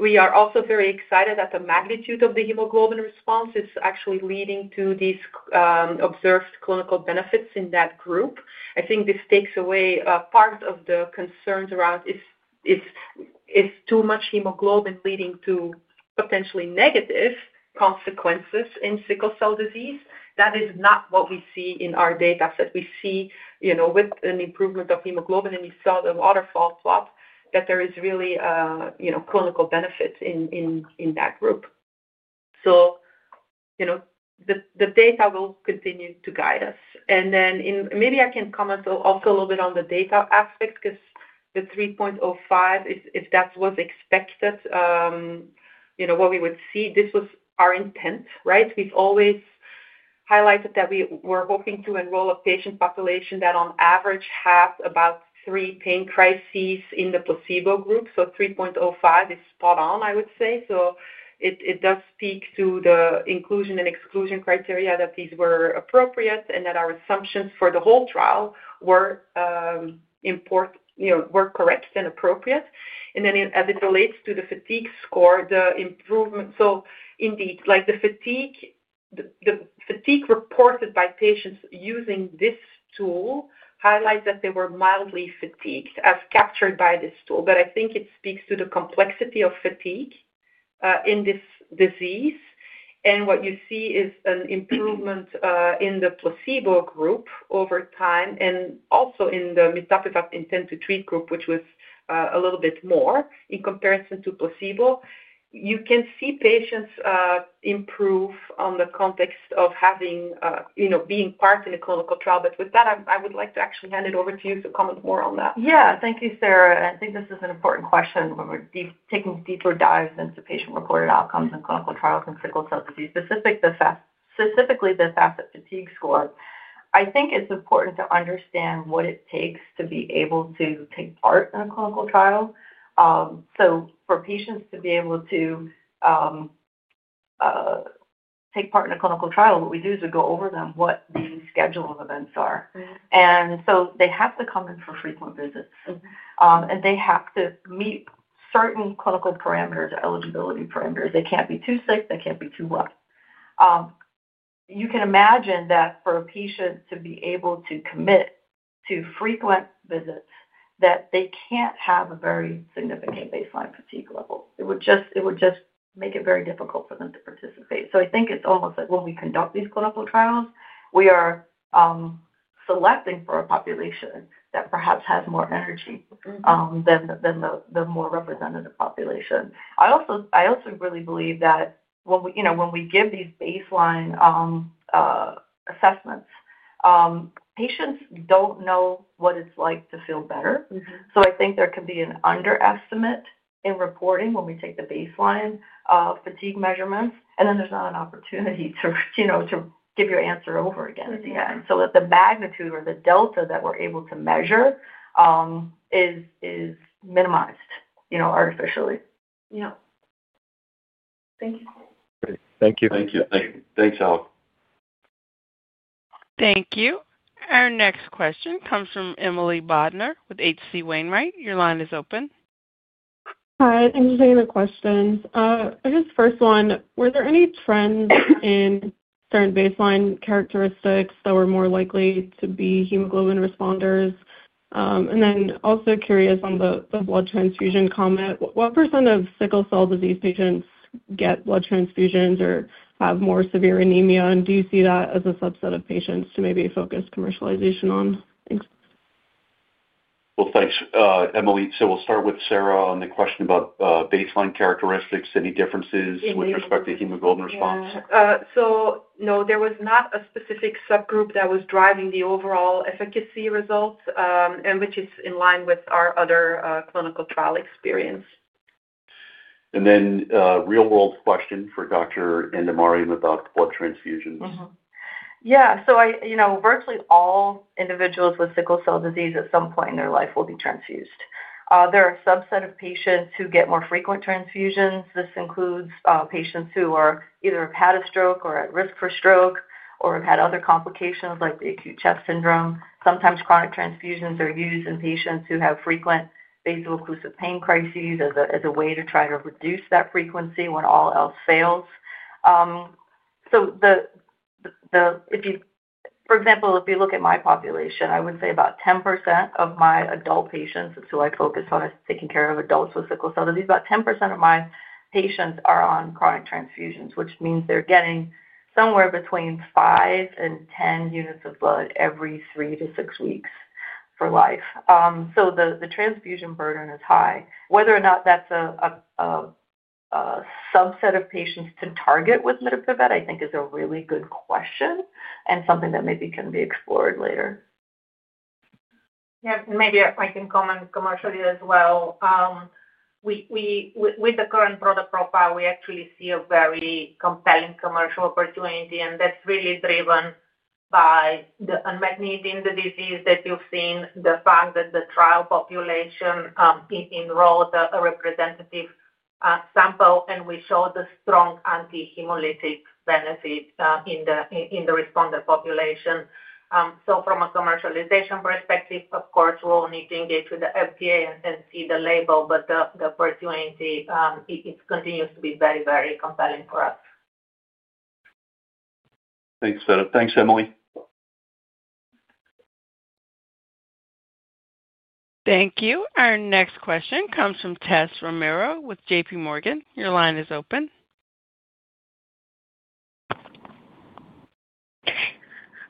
We are also very excited that the magnitude of the hemoglobin response is actually leading to these observed clinical benefits in that group. I think this takes away part of the concerns around if too much hemoglobin is leading to potentially negative consequences in sickle cell disease. That is not what we see in our data set. We see with an improvement of hemoglobin, and you saw the waterfall plot, that there is really clinical benefit in that group. The data will continue to guide us. Maybe I can comment also a little bit on the data aspect because the 3.05, if that was expected, what we would see, this was our intent, right? We've always highlighted that we were hoping to enroll a patient population that on average has about three pain crises in the placebo group. 3.05 is spot on, I would say. It does speak to the inclusion and exclusion criteria that these were appropriate and that our assumptions for the whole trial were correct and appropriate. As it relates to the fatigue score, the improvement. Indeed, the fatigue reported by patients using this tool highlights that they were mildly fatigued, as captured by this tool. I think it speaks to the complexity of fatigue in this disease. What you see is an improvement in the placebo group over time and also in the mitapivat intent to treat group, which was a little bit more in comparison to placebo. You can see patients improve in the context of being part in a clinical trial. With that, I would like to actually hand it over to you to comment more on that. Yeah. Thank you, Sarah. I think this is an important question. We're taking deeper dives into patient-reported outcomes in clinical trials in sickle cell disease, specifically the FAST fatigue score. I think it's important to understand what it takes to be able to take part in a clinical trial. For patients to be able to take part in a clinical trial, what we do is we go over with them what the schedule of events are. They have to come in for frequent visits, and they have to meet certain clinical parameters, eligibility parameters. They can't be too sick. They can't be too well. You can imagine that for a patient to be able to commit to frequent visits, they can't have a very significant baseline fatigue level. It would just make it very difficult for them to participate. I think it's almost like when we conduct these clinical trials, we are selecting for a population that perhaps has more energy than the more representative population. I also really believe that when we give these baseline assessments, patients don't know what it's like to feel better. I think there can be an underestimate in reporting when we take the baseline fatigue measurements, and then there's not an opportunity to give your answer over again at the end. The magnitude or the delta that we're able to measure is minimized artificially. Yeah. Thank you. Great. Thank you. Thank you. Thanks, Alec. Thank you. Our next question comes from Emily Claudia Bodnar with HC Wainwright. Your line is open. Hi. I'm just looking at the questions. I guess first one, were there any trends in certain baseline characteristics that were more likely to be hemoglobin responders? I am also curious on the blood transfusion comment. What % of sickle cell disease patients get blood transfusions or have more severe anemia? Do you see that as a subset of patients to maybe focus commercialization on? Thanks, Emily. We'll start with Sarah on the question about baseline characteristics. Any differences with respect to hemoglobin response? No, there was not a specific subgroup that was driving the overall efficacy results, which is in line with our other clinical trial experience. Real-world question for Dr. Andemariam about blood transfusions. Yeah. Virtually all individuals with sickle cell disease at some point in their life will be transfused. There are a subset of patients who get more frequent transfusions. This includes patients who either have had a stroke or are at risk for stroke or have had other complications like the acute chest syndrome. Sometimes chronic transfusions are used in patients who have frequent vaso-occlusive pain crises as a way to try to reduce that frequency when all else fails. For example, if you look at my population, I would say about 10% of my adult patients—I focus on taking care of adults with sickle cell disease—about 10% of my patients are on chronic transfusions, which means they're getting somewhere between 5-10 units of blood every three to six weeks for life. The transfusion burden is high. Whether or not that's a subset of patients to target with mitapivat, I think, is a really good question and something that maybe can be explored later. Yeah. Maybe I can comment commercially as well. With the current product profile, we actually see a very compelling commercial opportunity, and that's really driven by the unmet need in the disease that you've seen, the fact that the trial population enrolled a representative sample, and we showed a strong anti-hemolytic benefit in the responder population. From a commercialization perspective, of course, we'll need to engage with the FDA and see the label, but the opportunity, it continues to be very, very compelling for us. Thanks, Sarah. Thanks, Emily. Thank you. Our next question comes from Tessa Thomas Romero with JPMorgan. Your line is open.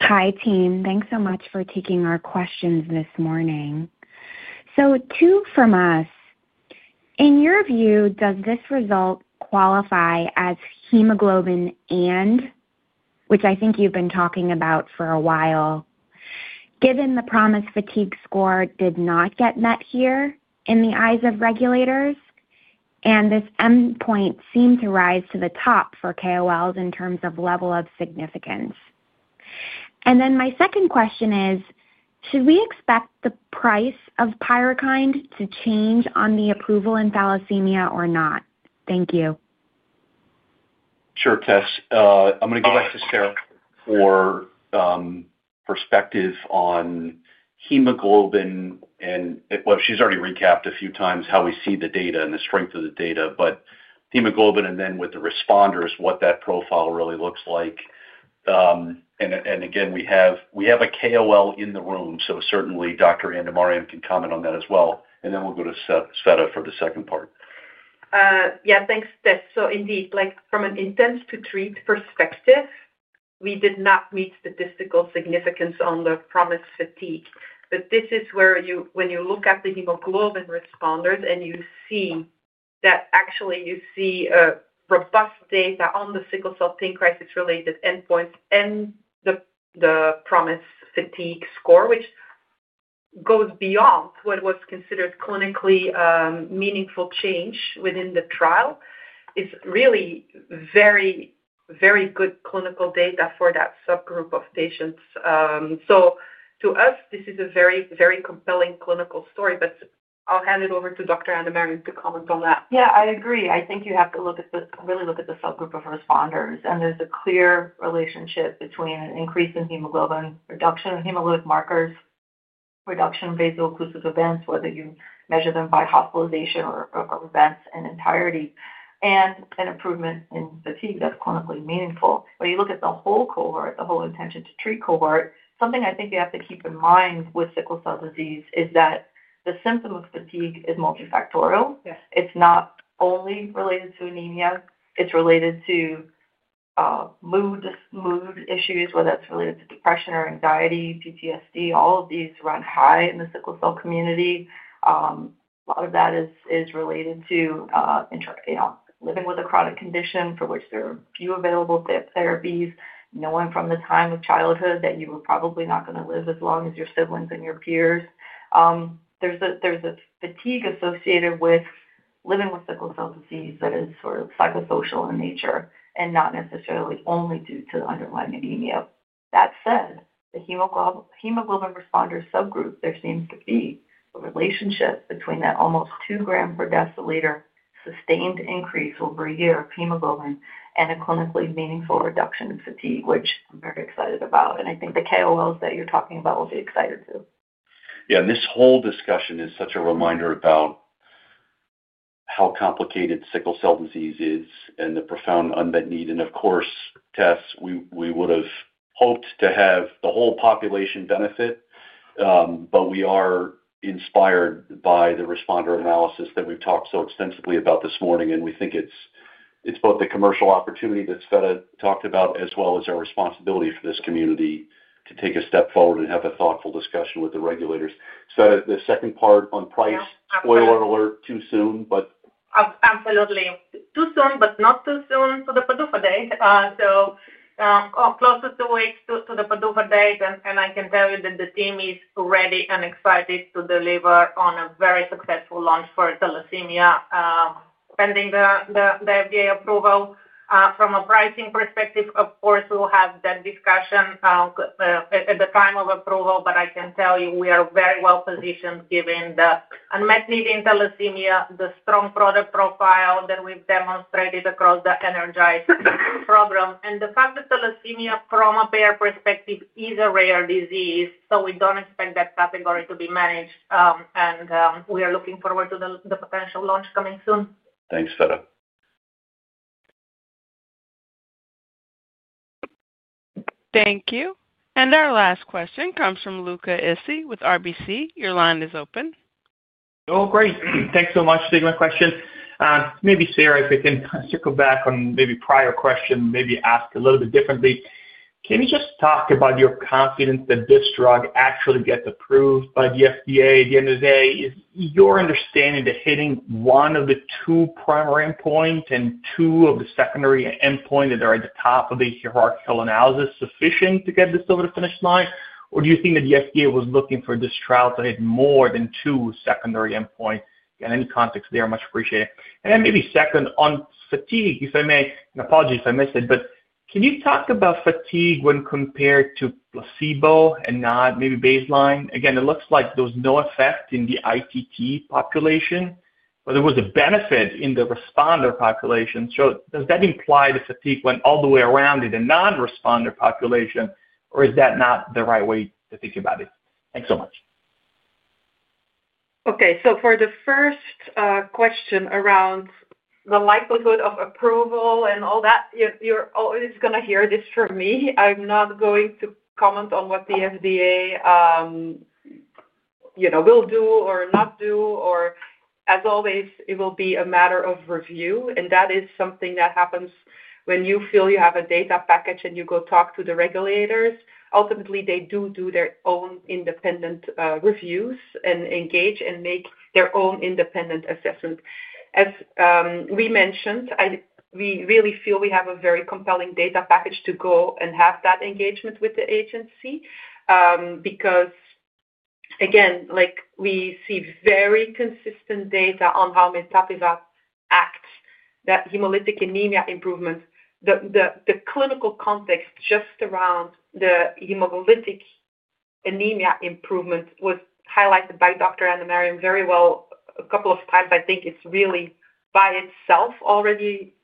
Hi, team. Thanks so much for taking our questions this morning. Two from us. In your view, does this result qualify as hemoglobin and, which I think you've been talking about for a while, given the PROMIS-Fatigue score did not get met here in the eyes of regulators? This endpoint seemed to rise to the top for KOLs in terms of level of significance. My second question is, should we expect the price of PYRUKYND to change on the approval in thalassemia or not? Thank you. Sure, Tess. I'm going to give back to Sarah for perspective on hemoglobin and, you know, she's already recapped a few times how we see the data and the strength of the data, but hemoglobin and then with the responders, what that profile really looks like. We have a KOL in the room, so certainly Dr. Andemariam can comment on that as well. We will go to Tsveta for the second part. Yeah. Thanks, Tess. Indeed, from an intent to treat perspective, we did not meet statistical significance on the PROMIS-Fatigue. When you look at the hemoglobin responders and you see that actually you see robust data on the sickle cell pain crisis-related endpoints and the PROMIS-Fatigue score, which goes beyond what was considered clinically meaningful change within the trial, it is really very, very good clinical data for that subgroup of patients. To us, this is a very, very compelling clinical story, but I'll hand it over to Dr. Andemariam to comment on that. Yeah. I agree. I think you have to really look at the subgroup of responders, and there's a clear relationship between an increase in hemoglobin reduction and hemolytic markers, reduction in vaso-occlusive events, whether you measure them by hospitalization or events in entirety, and an improvement in fatigue that's clinically meaningful. When you look at the whole cohort, the whole intention to treat cohort, something I think you have to keep in mind with sickle cell disease is that the symptom of fatigue is multifactorial. It's not only related to anemia. It's related to mood issues, whether it's related to depression or anxiety, PTSD. All of these run high in the sickle cell community. A lot of that is related to living with a chronic condition for which there are few available therapies, knowing from the time of childhood that you are probably not going to live as long as your siblings and your peers. There is a fatigue associated with living with sickle cell disease that is sort of psychosocial in nature and not necessarily only due to underlying anemia. That said, the hemoglobin responder subgroup, there seems to be a relationship between that almost 2 gram per deciliter sustained increase over a year of hemoglobin and a clinically meaningful reduction in fatigue, which I am very excited about. I think the KOLs that you are talking about will be excited too. Yeah. This whole discussion is such a reminder about how complicated sickle cell disease is and the profound unmet need. Of course, Tess, we would have hoped to have the whole population benefit, but we are inspired by the responder analysis that we've talked so extensively about this morning, and we think it's both the commercial opportunity that Tsveta talked about as well as our responsibility for this community to take a step forward and have a thoughtful discussion with the regulators. Tsveta, the second part on price, spoiler alert, too soon, but. Absolutely. Too soon, but not too soon for the Pazoofa date. Closer to the Pazoofa date, I can tell you that the team is ready and excited to deliver on a very successful launch for thalassemia pending the FDA approval. From a pricing perspective, of course, we'll have that discussion at the time of approval, but I can tell you we are very well positioned given the unmet need in thalassemia, the strong product profile that we've demonstrated across the Energize program. The fact that thalassemia from a payer perspective is a rare disease means we don't expect that category to be managed, and we are looking forward to the potential launch coming soon. Thanks, Tsveta. Thank you. Our last question comes from Luca Issi with RBC. Your line is open. Oh, great. Thanks so much for taking my question. Maybe Sarah, if we can circle back on maybe prior question, maybe ask a little bit differently. Can you just talk about your confidence that this drug actually gets approved by the FDA? At the end of the day, is your understanding that hitting one of the two primary endpoints and two of the secondary endpoints that are at the top of the hierarchical analysis sufficient to get this over the finish line? Or do you think that the FDA was looking for this trial to hit more than two secondary endpoints? Again, any context there? Much appreciated. Then maybe second on fatigue, if I may. Apologies if I missed it, but can you talk about fatigue when compared to placebo and not maybe baseline? Again, it looks like there was no effect in the ITT population, but there was a benefit in the responder population. Does that imply the fatigue went all the way around in the non-responding population, or is that not the right way to think about it? Thanks so much. Okay. For the first question around the likelihood of approval and all that, you're always going to hear this from me. I'm not going to comment on what the FDA will do or not do. As always, it will be a matter of review. That is something that happens when you feel you have a data package and you go talk to the regulators. Ultimately, they do their own independent reviews and engage and make their own independent assessment. As we mentioned, we really feel we have a very compelling data package to go and have that engagement with the agency because, again, we see very consistent data on how mitapivat acts, that hemolytic anemia improvement. The clinical context just around the hemolytic anemia improvement was highlighted by Dr. Andemariam very well a couple of times. I think it's really by itself already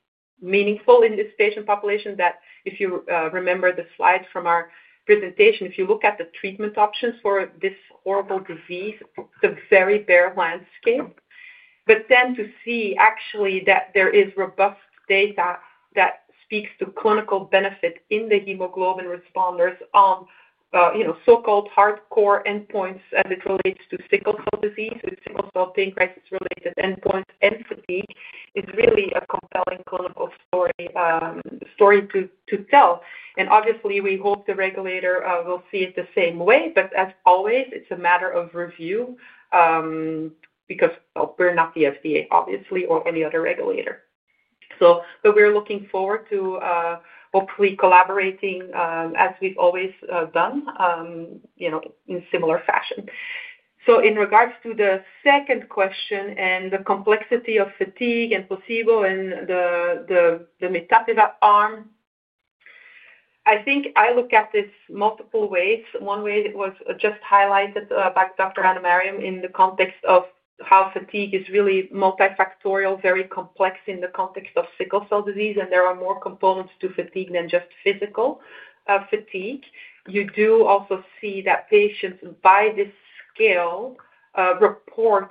meaningful in this patient population. If you remember the slides from our presentation, if you look at the treatment options for this horrible disease, it's a very bare landscape. To see actually that there is robust data that speaks to clinical benefit in the hemoglobin responders on so-called hardcore endpoints as it relates to sickle cell disease, with sickle cell pain crisis-related endpoints and fatigue, is really a compelling clinical story to tell. Obviously, we hope the regulator will see it the same way, but as always, it's a matter of review because we're not the FDA, obviously, or any other regulator. We're looking forward to hopefully collaborating as we've always done in similar fashion. In regards to the second question and the complexity of fatigue and placebo and the mitapivat arm, I think I look at this multiple ways. One way was just highlighted by Dr. Andemariam in the context of how fatigue is really multifactorial, very complex in the context of sickle cell disease, and there are more components to fatigue than just physical fatigue. You do also see that patients by this scale report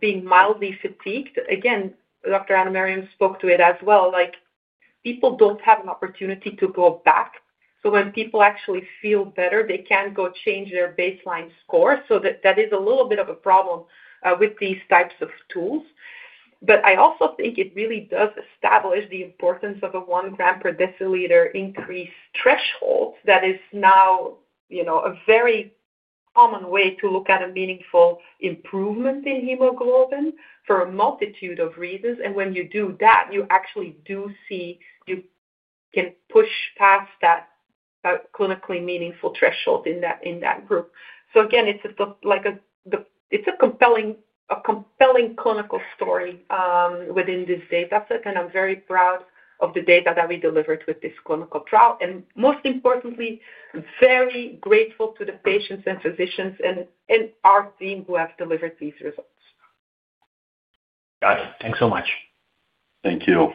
being mildly fatigued. Again, Dr. Andemariam spoke to it as well. People do not have an opportunity to go back. When people actually feel better, they can go change their baseline score. That is a little bit of a problem with these types of tools. I also think it really does establish the importance of a 1 gram per deciliter increase threshold that is now a very common way to look at a meaningful improvement in hemoglobin for a multitude of reasons. When you do that, you actually do see you can push past that clinically meaningful threshold in that group. It is a compelling clinical story within this data set, and I'm very proud of the data that we delivered with this clinical trial. Most importantly, I'm very grateful to the patients and physicians and our team who have delivered these results. Got it. Thanks so much. Thank you.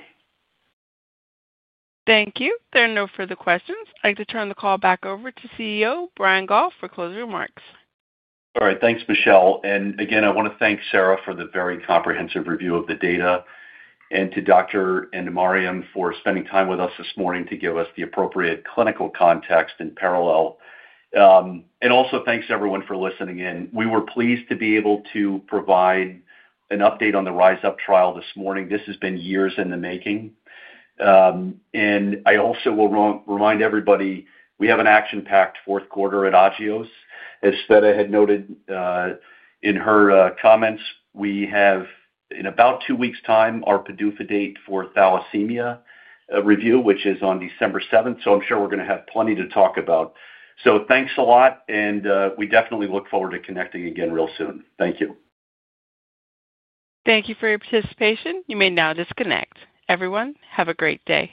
Thank you. There are no further questions. I'd like to turn the call back over to CEO Brian Goff for closing remarks. All right. Thanks, Michelle. I want to thank Sarah for the very comprehensive review of the data and to Dr. Andemariam for spending time with us this morning to give us the appropriate clinical context in parallel. Also, thanks everyone for listening in. We were pleased to be able to provide an update on the RISE UP trial this morning. This has been years in the making. I also will remind everybody we have an action-packed fourth quarter at Agios. As Tsveta had noted in her comments, we have in about two weeks' time our PDUFA date for thalassemia review, which is on December 7th, so I'm sure we're going to have plenty to talk about. Thanks a lot, and we definitely look forward to connecting again real soon. Thank you. Thank you for your participation. You may now disconnect. Everyone, have a great day.